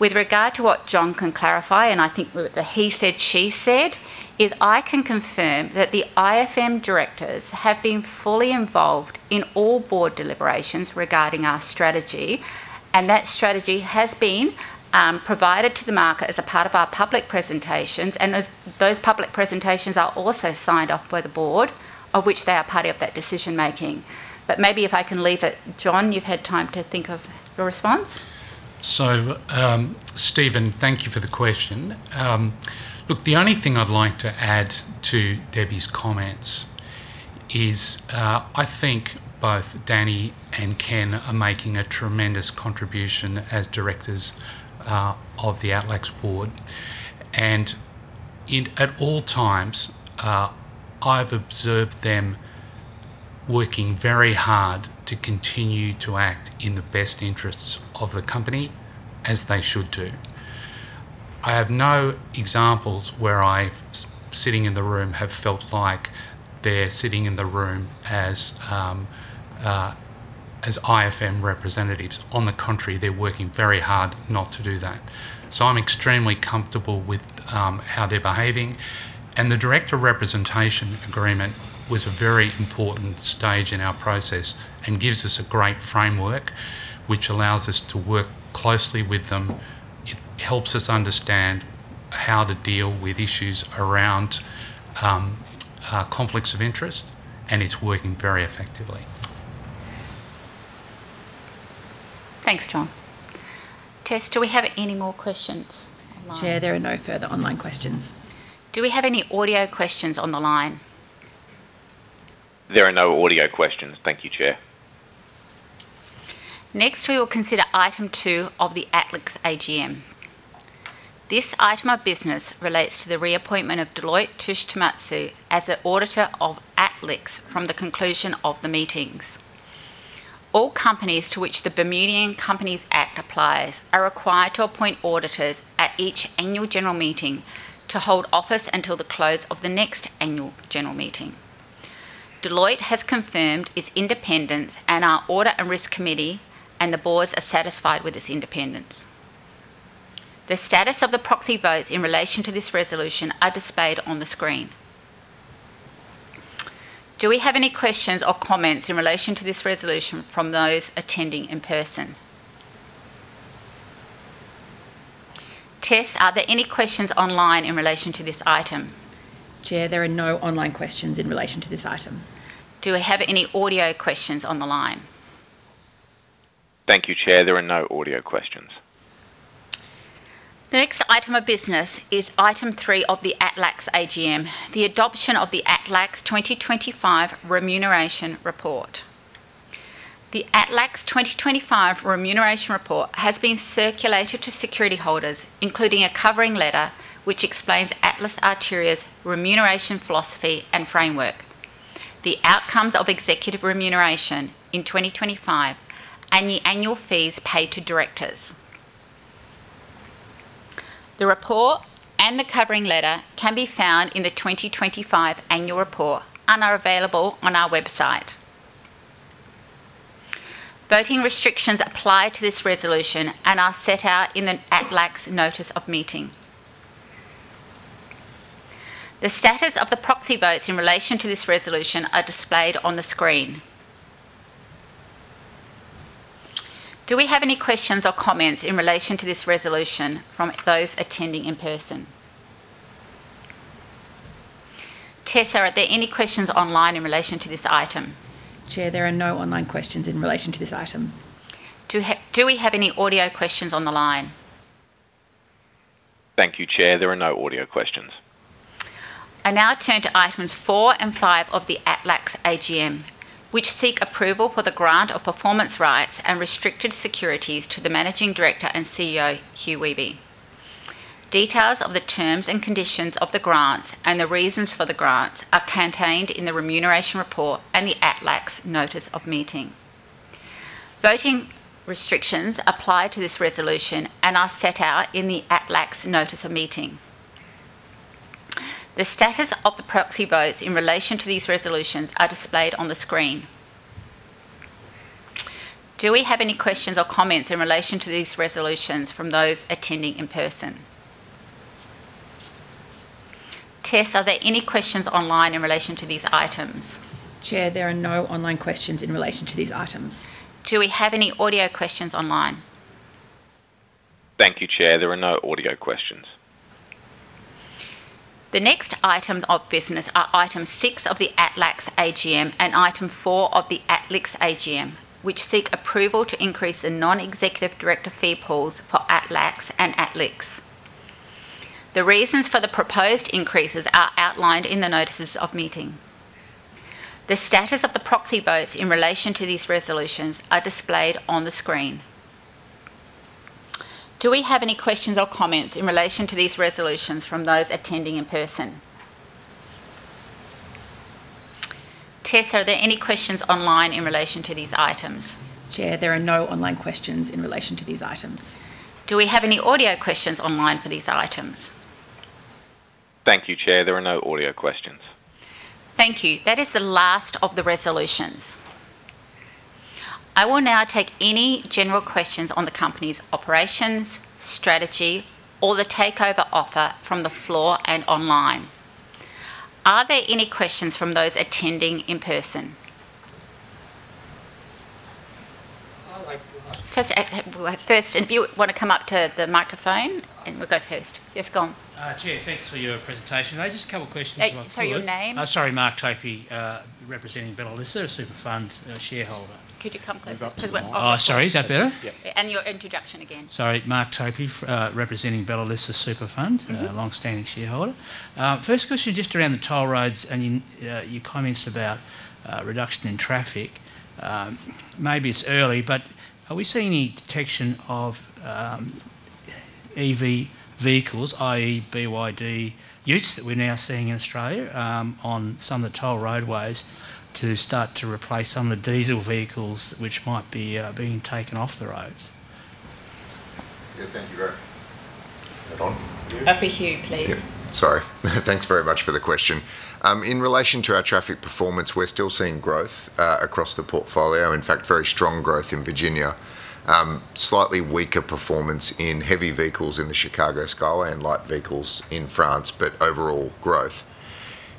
With regard to what John can clarify, and I think with the he said, she said, is I can confirm that the IFM directors have been fully involved in all board deliberations regarding our strategy, and that strategy has been provided to the market as a part of our public presentations. As those public presentations are also signed off by the board, of which they are party of that decision-making. Maybe if I can leave it, John, you've had time to think of your response. Stephen Mayne, thank you for the question. Look, the only thing I'd like to add to Debbie's comments is, I think both Danny and Ken are making a tremendous contribution as directors of the Atlas Arteria board. It, at all times, I've observed them working very hard to continue to act in the best interests of the company as they should do. I have no examples where I've, sitting in the room, have felt like they're sitting in the room as IFM representatives. On the contrary, they're working very hard not to do that. I'm extremely comfortable with how they're behaving. The Director Representation Agreement was a very important stage in our process and gives us a great framework which allows us to work closely with them. It helps us understand how to deal with issues around conflicts of interest, and it's working very effectively. Thanks, John. Tess, do we have any more questions online? Chair, there are no further online questions. Do we have any audio questions on the line? There are no audio questions. Thank you, Chair. Next, we will consider item 2 of the Atlas Arteria AGM. This item of business relates to the reappointment of Deloitte Touche Tohmatsu as the auditor of ATLIX from the conclusion of the meetings. All companies to which the Companies Act 1981 applies are required to appoint auditors at each annual general meeting to hold office until the close of the next annual general meeting. Deloitte has confirmed its independence in our Audit and Risk Committee, and the Boards are satisfied with its independence. The status of the proxy votes in relation to this resolution are displayed on the screen. Do we have any questions or comments in relation to this resolution from those attending in person? Tess, are there any questions online in relation to this item? Chair, there are no online questions in relation to this item. Do we have any audio questions on the line? Thank you, Chair. There are no audio questions. The next item of business is item 3 of the ATLAX AGM, the adoption of the ATLAX 2025 remuneration report. The ATLAX 2025 remuneration report has been circulated to security holders, including a covering letter which explains Atlas Arteria's remuneration philosophy and framework, the outcomes of executive remuneration in 2025, and the annual fees paid to directors. The report and the covering letter can be found in the 2025 annual report and are available on our website. Voting restrictions apply to this resolution and are set out in the ATLAX notice of meeting. The status of the proxy votes in relation to this resolution are displayed on the screen. Do we have any questions or comments in relation to this resolution from those attending in person? Tess, are there any questions online in relation to this item? Chair, there are no online questions in relation to this item. Do we have any audio questions on the line? Thank you, Chair. There are no audio questions. I now turn to items 4 and 5 of the ATLAX AGM, which seek approval for the grant of performance rights and restricted securities to the Managing Director and CEO, Hugh Wehby. Details of the terms and conditions of the grants and the reasons for the grants are contained in the remuneration report and the ATLAX notice of meeting. Voting restrictions apply to this resolution and are set out in the ATLAX notice of meeting. The status of the proxy votes in relation to these resolutions are displayed on the screen. Do we have any questions or comments in relation to these resolutions from those attending in person? Tess, are there any questions online in relation to these items? Chair, there are no online questions in relation to these items. Do we have any audio questions online? Thank you, Chair. There are no audio questions. The next item of business are item 6 of the ATLAX AGM and item 4 of the ATLIX AGM, which seek approval to increase the non-executive director fee pools for ATLAX and ATLIX. The reasons for the proposed increases are outlined in the notices of meeting. The status of the proxy votes in relation to these resolutions are displayed on the screen. Do we have any questions or comments in relation to these resolutions from those attending in person? Tess, are there any questions online in relation to these items? Chair, there are no online questions in relation to these items. Do we have any audio questions online for these items? Thank you, Chair. There are no audio questions. Thank you. That is the last of the resolutions. I will now take any general questions on the company's operations, strategy, or the takeover offer from the floor and online. Are there any questions from those attending in person? I'd like one. Well, first if you wanna come up to the microphone and we'll go first. You've gone. Chair, thanks for your presentation. I just a couple questions if that's all right. Sorry, your name? Oh, sorry. Mark Tofy, representing Bellissa SuperFund, a shareholder. Could you come closer to the mic? Oh, sorry. Is that better? Yeah. Your introduction again. Sorry. Mark Tofy representing Bellissa SuperFund. A longstanding shareholder. First question just around the toll roads and your comments about reduction in traffic. Maybe it's early, are we seeing any detection of EV vehicles, i.e. BYD use that we're now seeing in Australia, on some of the toll roadways to start to replace some of the diesel vehicles which might be being taken off the roads? Yeah. Thank you. Right. Is that on, Hugh? Over to Hugh, please. Yeah. Sorry. Thanks very much for the question. In relation to our traffic performance, we're still seeing growth across the portfolio. In fact, very strong growth in Virginia. Slightly weaker performance in heavy vehicles in the Chicago Skyway and light vehicles in France, but overall growth.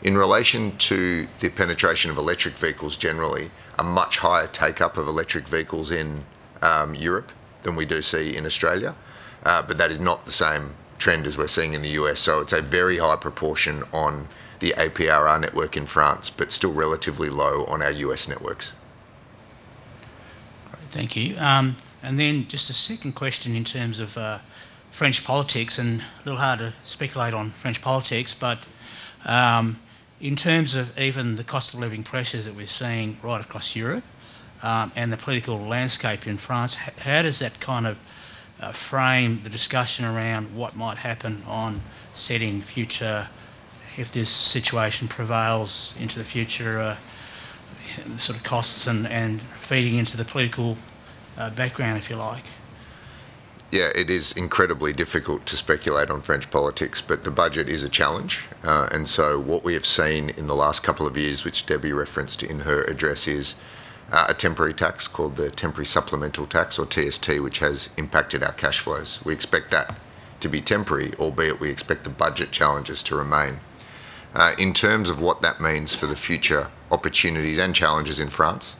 In relation to the penetration of electric vehicles generally, a much higher take-up of electric vehicles in Europe than we do see in Australia. That is not the same trend as we're seeing in the U.S. It's a very high proportion on the APRR network in France, but still relatively low on our U.S. networks. Great. Thank you. Just a second question in terms of French politics, a little hard to speculate on French politics, in terms of even the cost of living pressures that we're seeing right across Europe, and the political landscape in France, how does that kind of frame the discussion around what might happen on setting future if this situation prevails into the future, sort of costs and feeding into the political background, if you like? It is incredibly difficult to speculate on French politics, but the budget is a challenge. What we have seen in the last couple of years, which Debbie referenced in her address, is a temporary tax called the temporary supplemental tax or TST, which has impacted our cash flows. We expect that to be temporary, albeit we expect the budget challenges to remain. In terms of what that means for the future opportunities and challenges in France,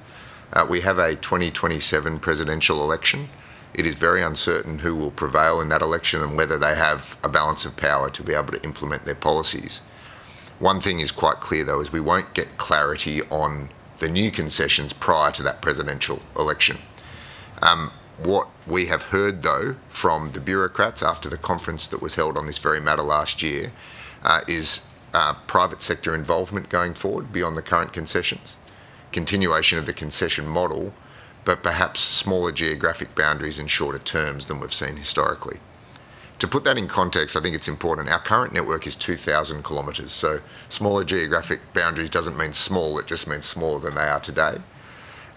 we have a 2027 presidential election. It is very uncertain who will prevail in that election and whether they have a balance of power to be able to implement their policies. One thing is quite clear though, is we won't get clarity on the new concessions prior to that presidential election. What we have heard though from the bureaucrats after the conference that was held on this very matter last year, private sector involvement going forward beyond the current concessions, continuation of the concession model, but perhaps smaller geographic boundaries and shorter terms than we've seen historically. To put that in context, I think it's important, our current network is 2,000 km, so smaller geographic boundaries doesn't mean small, it just means smaller than they are today.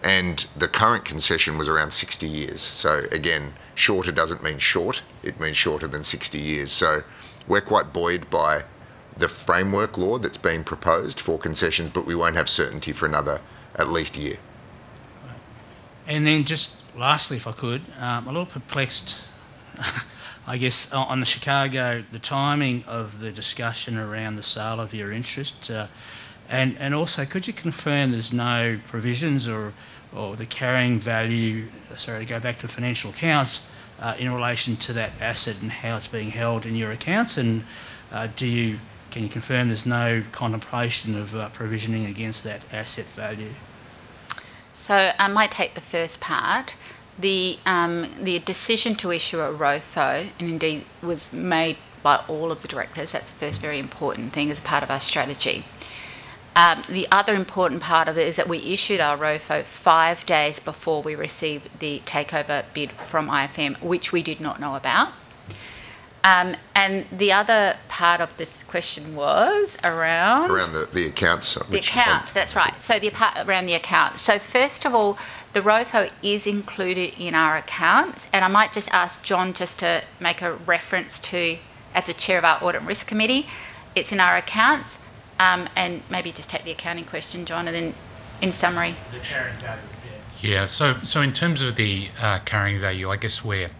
The current concession was around 60 years. Again, shorter doesn't mean short, it means shorter than 60 years. We're quite buoyed by the framework law that's been proposed for concessions, but we won't have certainty for another at least a year. Then just lastly, if I could, a little perplexed, I guess, on the Chicago, the timing of the discussion around the sale of your interest. Also could you confirm there's no provisions or the carrying value, sorry, to go back to financial accounts, in relation to that asset and how it's being held in your accounts. Can you confirm there's no contemplation of provisioning against that asset value? I might take the first part. The decision to issue a ROFO, and indeed was made by all of the directors, that's the first very important thing, as part of our strategy. The other important part of it is that we issued our ROFO five days before we received the takeover bid from IFM, which we did not know about. The other part of this question was around? Around the accounts. The accounts. That's right. The accounts around the accounts. First of all, the ROFO is included in our accounts, and I might just ask John just to make a reference to, as the Chair of our Audit and Risk Committee, it's in our accounts. Maybe just take the accounting question, John, and then in summary. Yeah. In terms of the carrying value, I guess we're,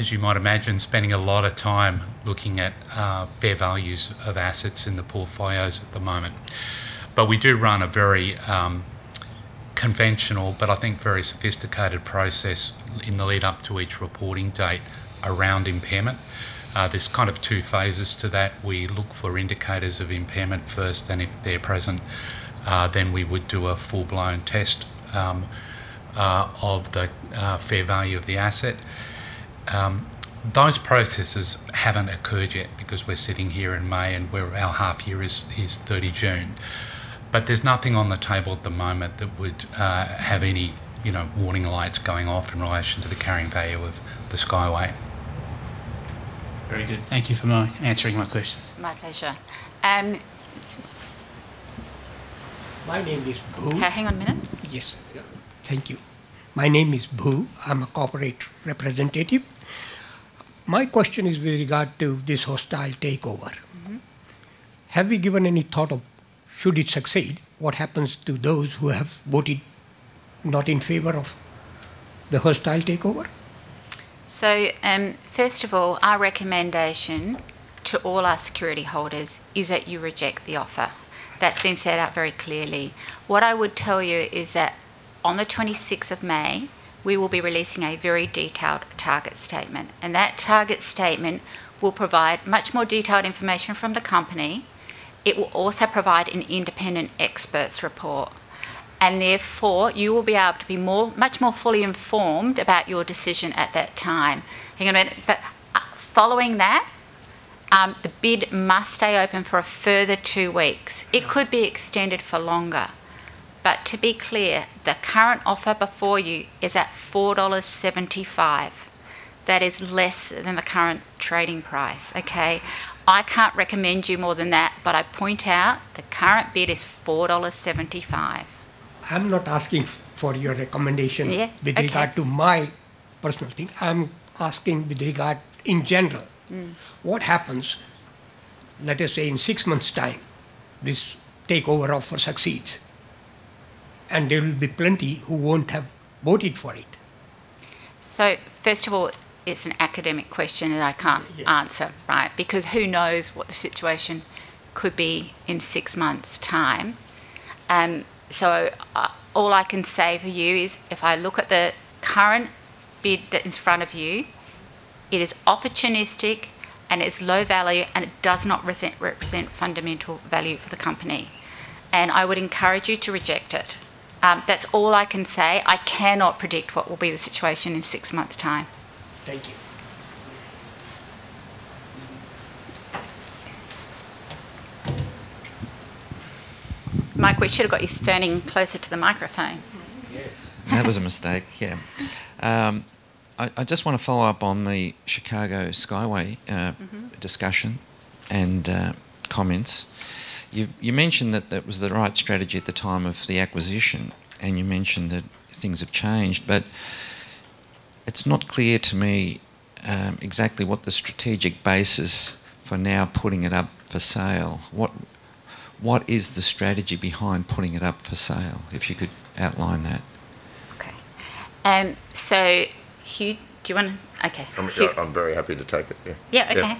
as you might imagine, spending a lot of time looking at fair values of assets in the portfolios at the moment. We do run a very conventional, but I think very sophisticated process in the lead up to each reporting date around impairment. There's kind of two phases to that. We look for indicators of impairment first, and if they're present, then we would do a full-blown test of the fair value of the asset. Those processes haven't occurred yet because we're sitting here in May, and our half year is 30 June. There's nothing on the table at the moment that would have any, you know, warning lights going off in relation to the carrying value of the Skyway. Very good. Thank you for answering my question. My pleasure. My name is Boo. Okay, hang on a minute. Yes. Yeah. Thank you. My name is Boo. I'm a Corporate Representative. My question is with regard to this hostile takeover. Have you given any thought of, should it succeed, what happens to those who have voted not in favor of the hostile takeover? First of all, our recommendation to all our security holders is that you reject the offer. That's been set out very clearly. What I would tell you is that on the 26th of May, we will be releasing a very detailed target statement, and that target statement will provide much more detailed information from the company. It will also provide an independent expert's report, and therefore you will be able to be much more fully informed about your decision at that time. Hang on a minute. Following that, the bid must stay open for a further two weeks. It could be extended for longer. To be clear, the current offer before you is at 4.75 dollars. That is less than the current trading price, okay? I can't recommend you more than that, but I point out the current bid is 4.75 dollars. I'm not asking for your recommendation... Yeah. Okay. ...with regard to my personal thing. I'm asking with regard in general. What happens, let us say in six months time, this takeover offer succeeds? There will be plenty who won't have voted for it. First of all, it's an academic question that I can't answer... Yes. ...right? Who knows what the situation could be in six months' time. All I can say for you is if I look at the current bid that's in front of you, it is opportunistic, and it's low value, and it does not represent fundamental value for the company, and I would encourage you to reject it. That's all I can say. I cannot predict what will be the situation in six months' time. Thank you. Mike, we should've got you standing closer to the microphone. Yes. That was a mistake, yeah. I just wanna follow up on the Chicago Skyway discussion and comments. You mentioned that that was the right strategy at the time of the acquisition. You mentioned that things have changed. It's not clear to me exactly what the strategic basis for now putting it up for sale. What is the strategy behind putting it up for sale? If you could outline that. Okay. so Hugh, do you wanna... I'm, yeah, I'm very happy to take it. Yeah. Yeah.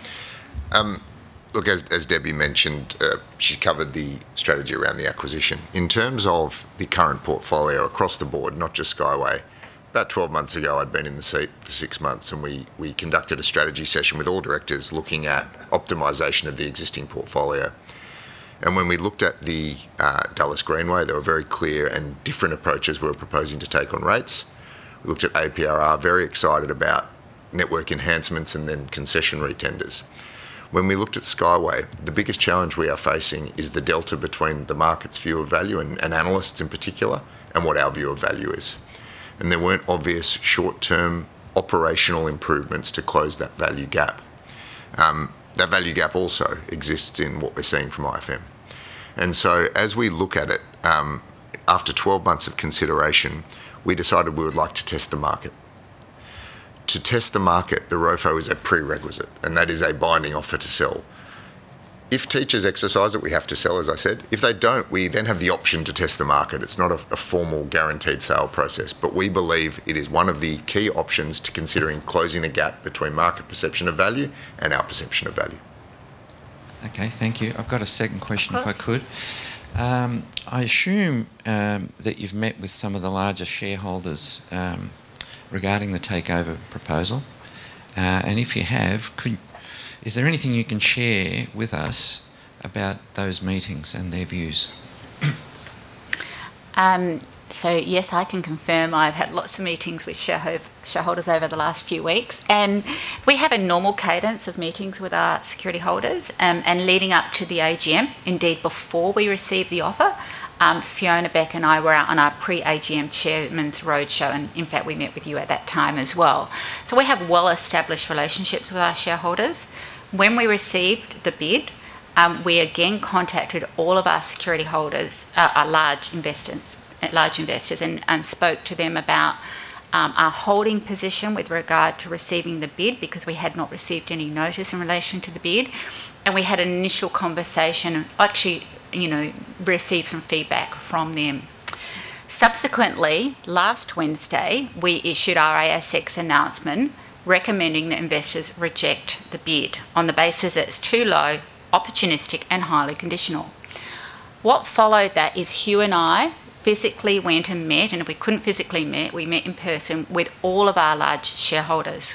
Okay. Look, as Debbie mentioned, she's covered the strategy around the acquisition. In terms of the current portfolio across the board, not just Skyway, about 12 months ago, I'd been in the seat for six months, and we conducted a strategy session with all directors looking at optimization of the existing portfolio. When we looked at the Dulles Greenway, there were very clear and different approaches we were proposing to take on rates. We looked at APRR, very excited about network enhancements and then concessionary tenders. When we looked at Skyway, the biggest challenge we are facing is the delta between the market's view of value and analysts in particular, and what our view of value is, there weren't obvious short-term operational improvements to close that value gap. That value gap also exists in what we're seeing from IFM. As we look at it, after 12 months of consideration, we decided we would like to test the market. To test the market, the ROFO is a prerequisite. That is a binding offer to sell. If Teachers exercise it, we have to sell, as I said. If they don't, we then have the option to test the market. It's not a formal guaranteed sale process. We believe it is one of the key options to considering closing the gap between market perception of value and our perception of value. Okay, thank you. I've got a second question. Of course. If I could. I assume that you've met with some of the larger shareholders regarding the takeover proposal. If you have, is there anything you can share with us about those meetings and their views? Yes, I can confirm I've had lots of meetings with shareholders over the last few weeks. We have a normal cadence of meetings with our security holders. Leading up to the AGM, indeed before we received the offer, Fiona Beck and I were out on our pre-AGM chairman's roadshow, and in fact, we met with you at that time as well. We have well-established relationships with our shareholders. When we received the bid, we again contacted all of our security holders, our large investors, large investors and spoke to them about our holding position with regard to receiving the bid because we had not received any notice in relation to the bid, and we had an initial conversation, actually, you know, received some feedback from them. Subsequently, last Wednesday, we issued our ASX announcement recommending that investors reject the bid on the basis that it's too low, opportunistic, and highly conditional. What followed that is Hugh and I physically went and met, and if we couldn't physically meet, we met in person with all of our large shareholders.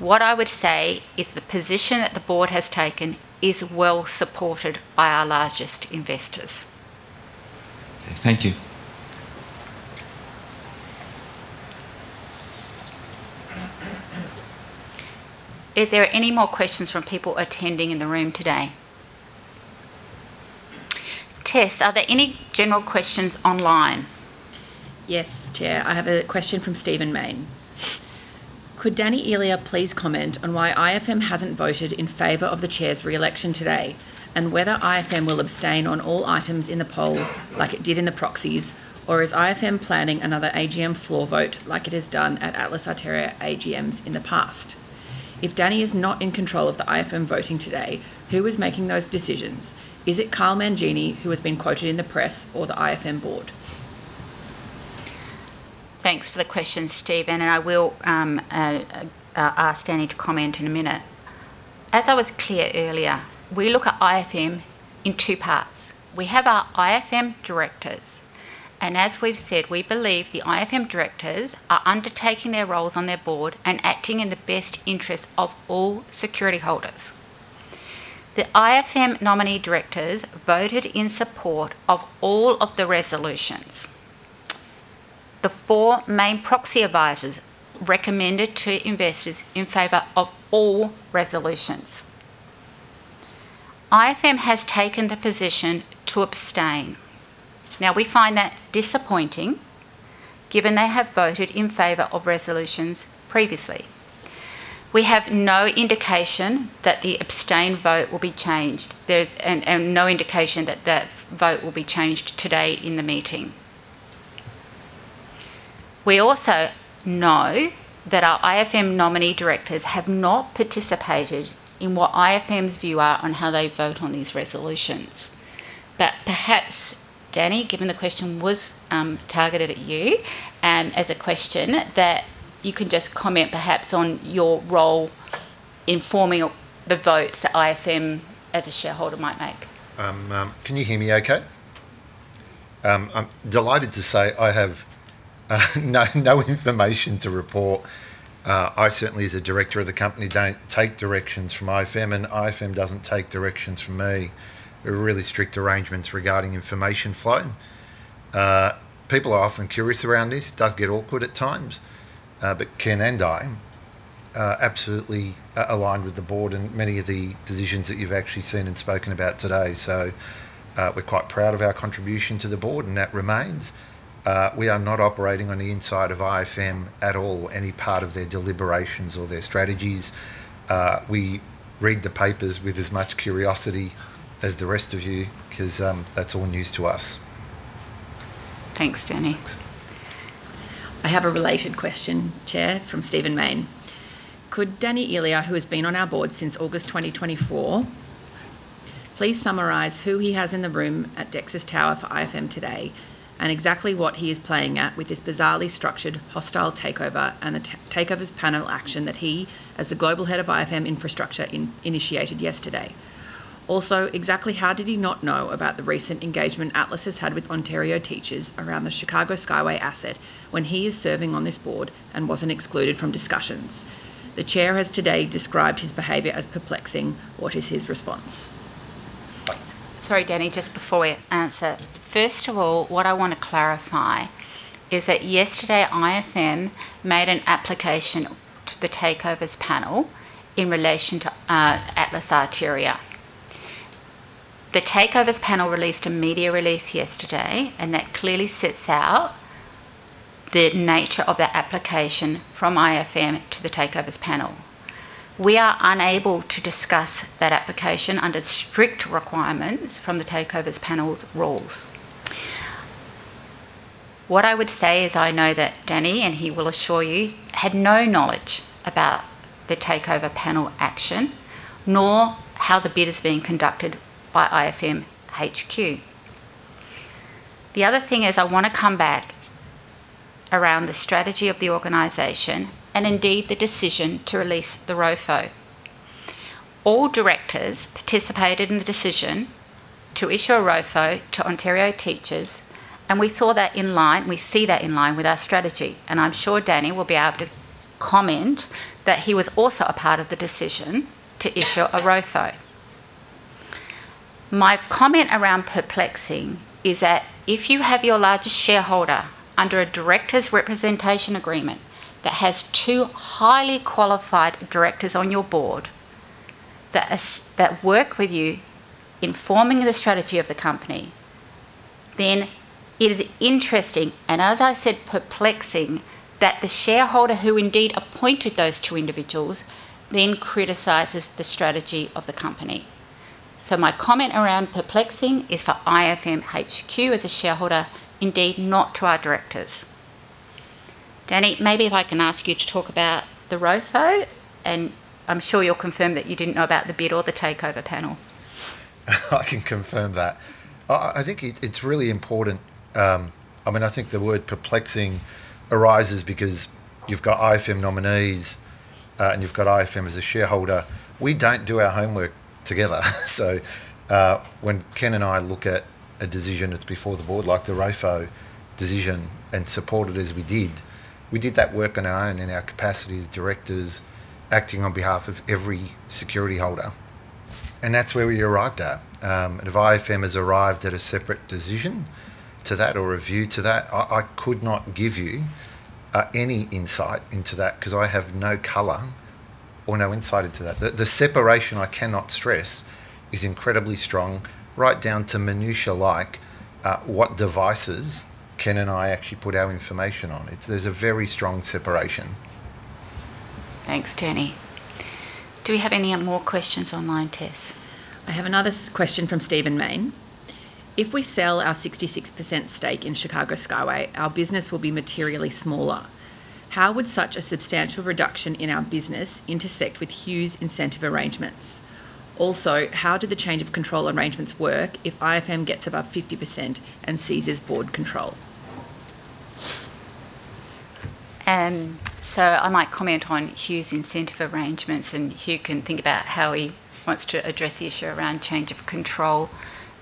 What I would say is the position that the board has taken is well supported by our largest investors. Okay, thank you. Is there any more questions from people attending in the room today? Tess, are there any general questions online? Yes, Chair. I have a question from Stephen Mayne. Could Danny Elia please comment on why IFM hasn't voted in favor of the chair's re-election today, whether IFM will abstain on all items in the poll like it did in the proxies, or is IFM planning another AGM floor vote like it has done at Atlas Arteria AGMs in the past? If Danny is not in control of the IFM voting today, who is making those decisions? Is it Kyle Mangini, who has been quoted in the press, or the IFM board? Thanks for the question, Stephen, and I will ask Danny to comment in a minute. As I was clear earlier, we look at IFM in two parts. We have our IFM directors, and as we've said, we believe the IFM directors are undertaking their roles on their board and acting in the best interest of all security holders. The IFM nominee directors voted in support of all of the resolutions. The four main proxy advisors recommended to investors in favor of all resolutions. IFM has taken the position to abstain. We find that disappointing given they have voted in favor of resolutions previously. We have no indication that the abstain vote will be changed. There's no indication that that vote will be changed today in the meeting. We also know that our IFM nominee directors have not participated in what IFM's view are on how they vote on these resolutions. Perhaps, Danny, given the question was targeted at you, as a question that you can just comment perhaps on your role in forming up the votes that IFM as a shareholder might make. Can you hear me okay? I'm delighted to say I have no information to report. I certainly as a director of the company don't take directions from IFM, and IFM doesn't take directions from me. We have really strict arrangements regarding information flow. People are often curious around this. It does get awkward at times. Ken and I are absolutely aligned with the board in many of the decisions that you've actually seen and spoken about today. We're quite proud of our contribution to the board, and that remains. We are not operating on the inside of IFM at all, any part of their deliberations or their strategies. We read the papers with as much curiosity as the rest of you 'cause that's all news to us. Thanks, Danny. Thanks. I have a related question, Chair, from Stephen Mayne. Could Danny Elia, who has been on our board since August 2024, please summarize who he has in the room at Dexus Tower for IFM today and exactly what he is playing at with this bizarrely structured hostile takeover and the Takeovers Panel action that he, as the global head of IFM Infrastructure, initiated yesterday? Also, exactly how did he not know about the recent engagement Atlas has had with Ontario Teachers around the Chicago Skyway asset when he is serving on this board and wasn't excluded from discussions? The Chair has today described his behavior as perplexing. What is his response? Sorry, Danny, just before you answer. First of all, what I wanna clarify is that yesterday IFM made an application to the Takeovers Panel in relation to, Atlas Arteria. The Takeovers Panel released a media release yesterday, that clearly sets out the nature of that application from IFM to the Takeovers Panel. We are unable to discuss that application under strict requirements from the Takeovers Panel's rules. What I would say is I know that Danny, and he will assure you, had no knowledge about the Takeovers Panel action, nor how the bid is being conducted by IFM HQ. The other thing is I wanna come back around the strategy of the organization, and indeed the decision to release the ROFO. All directors participated in the decision to issue a ROFO to Ontario Teachers, we see that in line with our strategy. I'm sure Danny will be able to comment that he was also a part of the decision to issue a ROFO. My comment around perplexing is that if you have your largest shareholder under a Director Representation Agreement that has two highly qualified directors on your board that work with you in forming the strategy of the company, then it is interesting, and as I said perplexing, that the shareholder who indeed appointed those two individuals then criticizes the strategy of the company. My comment around perplexing is for IFM HQ as a shareholder, indeed not to our directors. Danny, maybe if I can ask you to talk about the ROFO, and I'm sure you'll confirm that you didn't know about the bid or the Takeovers Panel. I can confirm that. I think it's really important, I mean, I think the word perplexing arises because you've got IFM nominees and you've got IFM as a shareholder. We don't do our homework together. When Ken and I look at a decision that's before the board, like the ROFO decision, and support it as we did, we did that work on our own in our capacity as directors acting on behalf of every security holder. That's where we arrived at. If IFM has arrived at a separate decision to that or a view to that, I could not give you any insight into that 'cause I have no color or no insight into that. The separation I cannot stress is incredibly strong, right down to minutiae like, what devices Ken and I actually put our information on. There's a very strong separation. Thanks, Danny. Do we have any more questions online, Tess? I have another question from Stephen Mayne. If we sell our 66% stake in Chicago Skyway, our business will be materially smaller. How would such a substantial reduction in our business intersect with Hugh's incentive arrangements? Also, how do the change of control arrangements work if IFM gets above 50% and seizes board control? I might comment on Hugh's incentive arrangements, and Hugh can think about how he wants to address the issue around change of control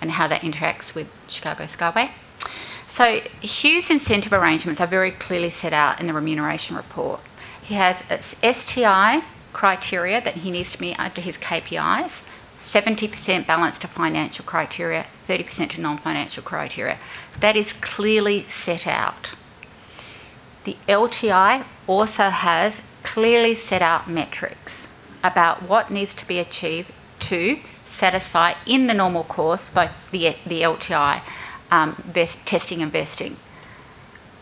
and how that interacts with Chicago Skyway. Hugh's incentive arrangements are very clearly set out in the remuneration report. He has STI criteria that he needs to meet under his KPIs, 70% balanced to financial criteria, 30% to non-financial criteria. That is clearly set out. The LTI also has clearly set out metrics about what needs to be achieved to satisfy in the normal course by the LTI testing and vesting.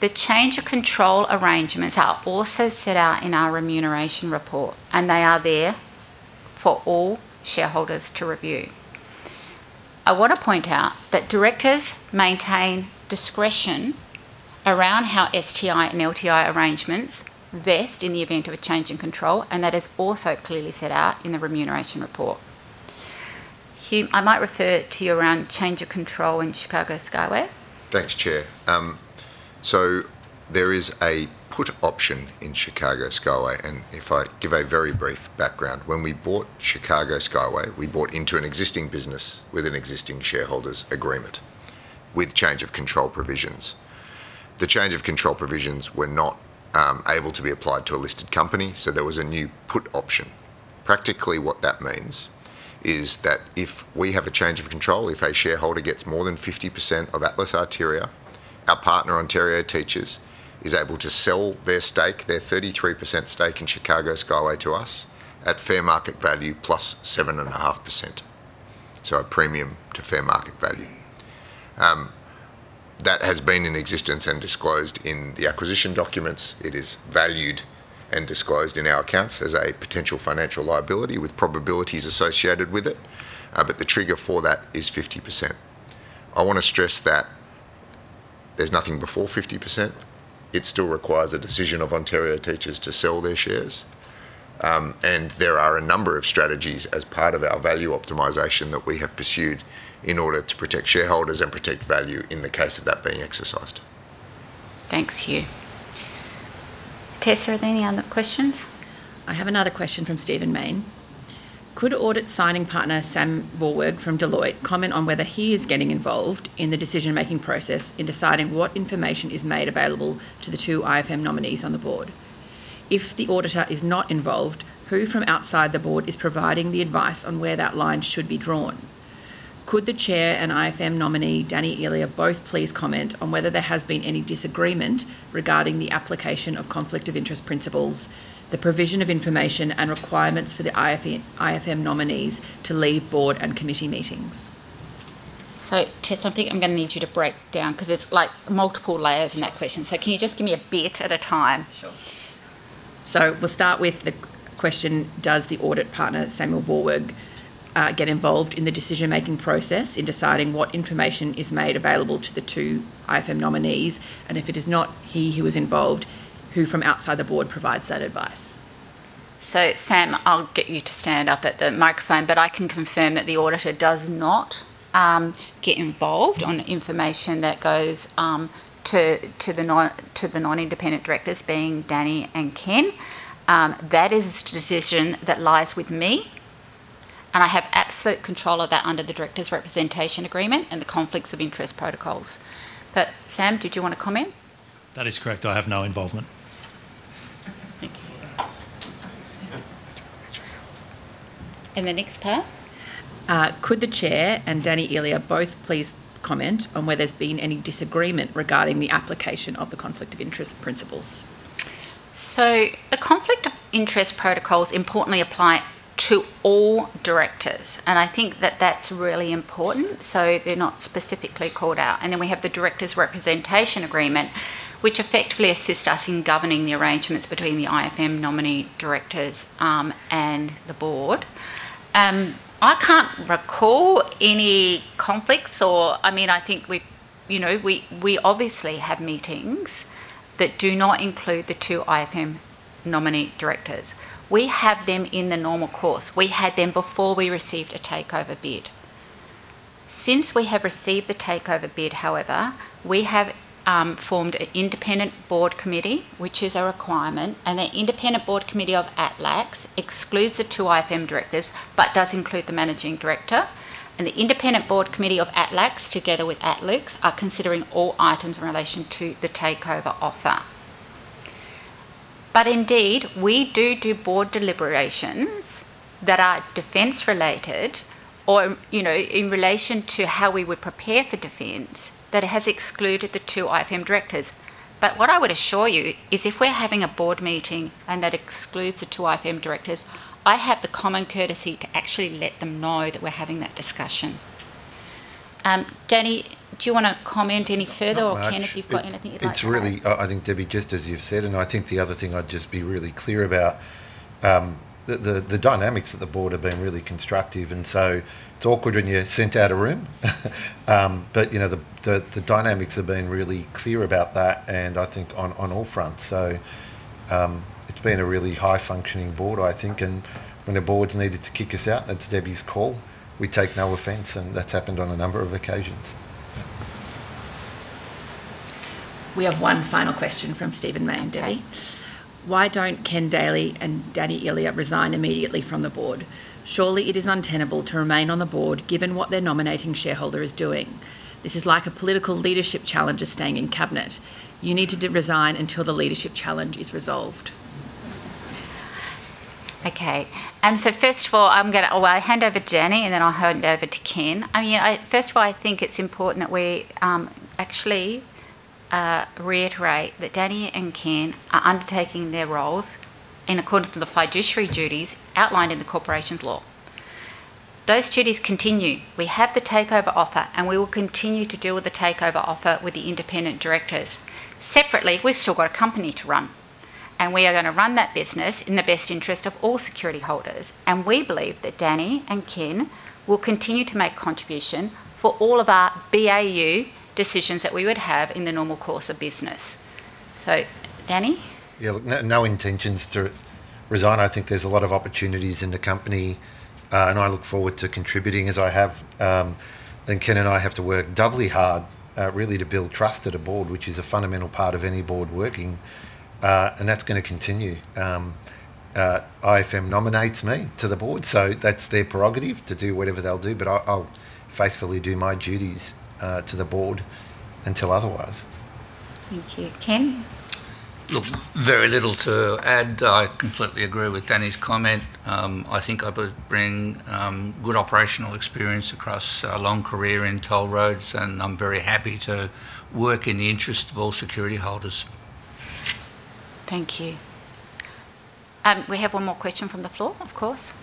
The change of control arrangements are also set out in our remuneration report, and they are there for all shareholders to review. I wanna point out that directors maintain discretion around how STI and LTI arrangements vest in the event of a change in control, and that is also clearly set out in the remuneration report. Hugh, I might refer to you around change of control in Chicago Skyway. Thanks, Chair. There is a put option in Chicago Skyway, and if I give a very brief background, when we bought Chicago Skyway, we bought into an existing business with an existing shareholders' agreement with change of control provisions. The change of control provisions were not able to be applied to a listed company, so there was a new put option. Practically what that means is that if we have a change of control, if a shareholder gets more than 50% of Atlas Arteria, our partner Ontario Teachers is able to sell their stake, their 33% stake in Chicago Skyway to us at fair market value plus 7.5%, so a premium to fair market value. That has been in existence and disclosed in the acquisition documents. It is valued and disclosed in our accounts as a potential financial liability with probabilities associated with it, but the trigger for that is 50%. I wanna stress that there's nothing before 50%. It still requires a decision of Ontario Teachers to sell their shares. There are a number of strategies as part of our value optimization that we have pursued in order to protect shareholders and protect value in the case of that being exercised. Thanks, Hugh. Tess, are there any other questions? I have another question from Stephen Mayne. Could audit signing partner Sam Vorwerg from Deloitte comment on whether he is getting involved in the decision-making process in deciding what information is made available to the two IFM nominees on the board? If the auditor is not involved, who from outside the board is providing the advice on where that line should be drawn? Could the Chair and IFM nominee, Danny Elia, both please comment on whether there has been any disagreement regarding the application of conflict of interest principles, the provision of information, and requirements for the IFM nominees to leave board and committee meetings? Tess, I think I'm gonna need you to break down 'cause it's, like, multiple layers in that question. Can you just give me a bit at a time? Sure. We'll start with the question, does the audit partner, Sam Vorwerg, get involved in the decision-making process in deciding what information is made available to the two IFM nominees? If it is not he who is involved, who from outside the board provides that advice? Sam, I'll get you to stand up at the microphone, but I can confirm that the auditor does not get involved on information that goes to the non-independent directors, being Danny and Ken. That is a decision that lies with me, and I have absolute control of that under the Director Representation Agreement and the conflicts of interest protocols. Sam, did you want to comment? That is correct. I have no involvement. Thank you. The next part. Could the Chair and Danny Elia both please comment on whether there's been any disagreement regarding the application of the conflict of interest principles? The conflict of interest protocols importantly apply to all directors, and I think that that's really important, so they're not specifically called out. We have the Director Representation Agreement, which effectively assists us in governing the arrangements between the IFM nominee directors and the board. I can't recall any conflicts or, I mean, I think we've, you know, we obviously have meetings that do not include the two IFM nominee directors. We have them in the normal course. We had them before we received a takeover bid. Since we have received the takeover bid, however, we have formed an independent board committee, which is a requirement, and the independent board committee of ATLAX excludes the two IFM directors, but does include the managing director. The independent board committee of ATLAX, together with ATLIX, are considering all items in relation to the takeover offer. Indeed, we do board deliberations that are defense-related or, you know, in relation to how we would prepare for defense that have excluded the two IFM directors. What I would assure you is if we're having a board meeting and that excludes the two IFM directors, I have the common courtesy to actually let them know that we're having that discussion. Danny, do you wanna comment any further? Not much. Ken, if you've got anything you'd like to add? It's really, I think, Debbie, just as you've said, and I think the other thing I'd just be really clear about, the dynamics of the board have been really constructive. It's awkward when you're sent out a room. You know, the dynamics have been really clear about that, and I think on all fronts. It's been a really high-functioning board, I think, and when the board's needed to kick us out, that's Debbie's call. We take no offense, and that's happened on a number of occasions. We have one final question from Stephen Mandelli. Okay. Why don't Ken Daley and Danny Elia resign immediately from the board? Surely it is untenable to remain on the board given what their nominating shareholder is doing. This is like a political leadership challenger staying in cabinet. You need to resign until the leadership challenge is resolved. Okay. First of all, I'm gonna Well, I'll hand over to Danny, and then I'll hand over to Ken. I mean, First of all, I think it's important that we actually reiterate that Danny and Ken are undertaking their roles in accordance with the fiduciary duties outlined in the corporations law. Those duties continue. We have the takeover offer, and we will continue to deal with the takeover offer with the independent directors. Separately, we've still got a company to run, and we are gonna run that business in the best interest of all security holders. We believe that Danny and Ken will continue to make contribution for all of our BAU decisions that we would have in the normal course of business. Danny? Yeah, look, no intentions to resign. I think there's a lot of opportunities in the company, and I look forward to contributing as I have. Ken and I have to work doubly hard, really to build trust at a board, which is a fundamental part of any board working. That's going to continue. IFM nominates me to the board, so that's their prerogative to do whatever they'll do, but I'll faithfully do my duties to the board until otherwise. Thank you. Ken? Look, very little to add. I completely agree with Danny's comment. I think I bring good operational experience across a long career in toll roads, and I'm very happy to work in the interest of all security holders. Thank you. We have one more question from the floor, of course.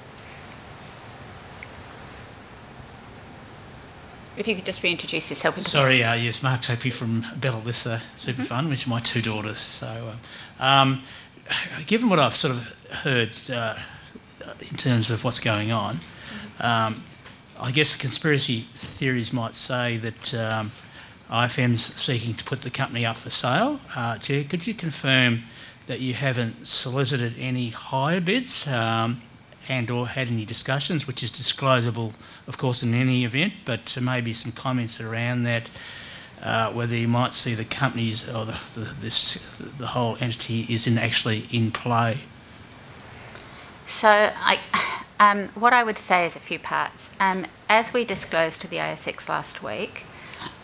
If you could just reintroduce yourself, please. Sorry, yes, Mark Tofy from Bellissa. SuperFund, which are my two daughters, so, given what I've sort of heard, in terms of what's going on. I guess conspiracy theories might say that IFM's seeking to put the company up for sale. Chair, could you confirm that you haven't solicited any higher bids, and/or had any discussions, which is disclosable, of course, in any event, but maybe some comments around that, whether you might see the companies or the whole entity is in actually in play? I, what I would say is a few parts. As we disclosed to the ASX last week,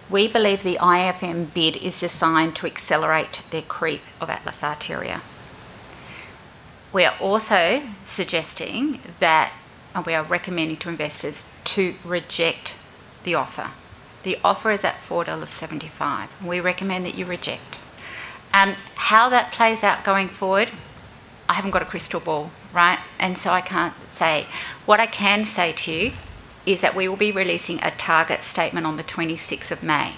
we believe the IFM bid is designed to accelerate their creep of Atlas Arteria. We are also suggesting that, and we are recommending to investors, to reject the offer. The offer is at 4.75 dollars, and we recommend that you reject. How that plays out going forward, I haven't got a crystal ball, right? I can't say. What I can say to you is that we will be releasing a target statement on the 26th of May.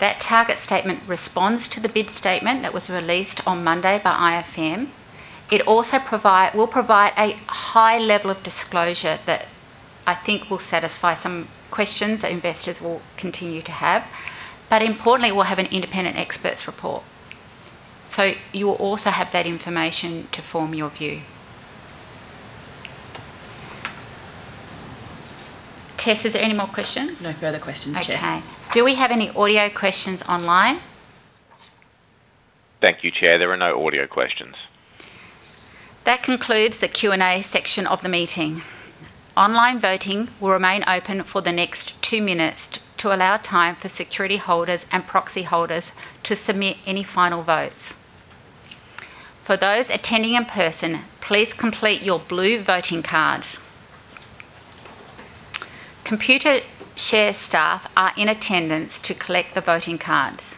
That target statement responds to the bid statement that was released on Monday by IFM. It also will provide a high level of disclosure that I think will satisfy some questions that investors will continue to have. Importantly, we'll have an independent expert's report. You will also have that information to form your view. Tess, is there any more questions? No further questions, Chair. Okay. Do we have any audio questions online? Thank you, Chair. There are no audio questions. That concludes the Q&A section of the meeting. Online voting will remain open for the next two minutes to allow time for security holders and proxy holders to submit any final votes. For those attending in person, please complete your blue voting cards. Computershare staff are in attendance to collect the voting cards.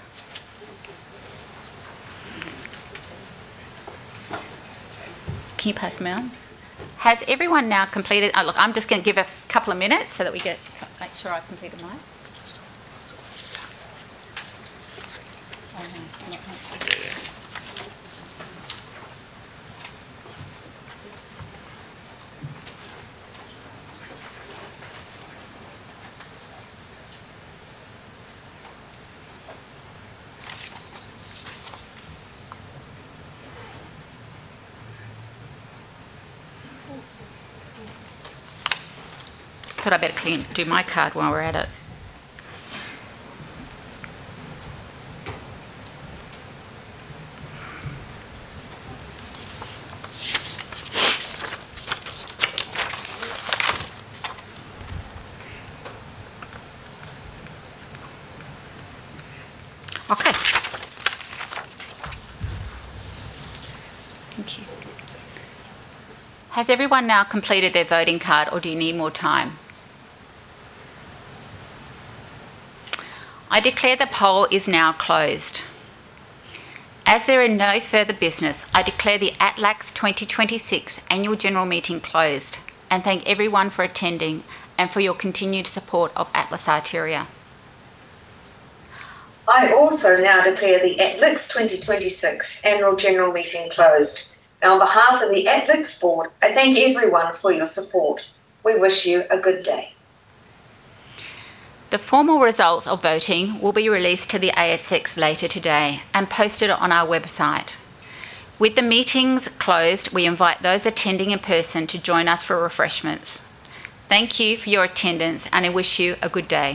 Keypad's mine. I'm just gonna give a couple of minutes so that we get make sure I've completed mine. Thought I better clean, do my card while we're at it. Thank you. Has everyone now completed their voting card, or do you need more time? I declare the poll is now closed. There are no further business, I declare the ATLAX 2026 Annual General Meeting closed, and thank everyone for attending and for your continued support of Atlas Arteria. I also now declare the ATLIX 2026 Annual General Meeting closed. On behalf of the ATLIX board, I thank everyone for your support. We wish you a good day. The formal results of voting will be released to the ASX later today and posted on our website. With the meetings closed, we invite those attending in person to join us for refreshments. Thank you for your attendance, and I wish you a good day.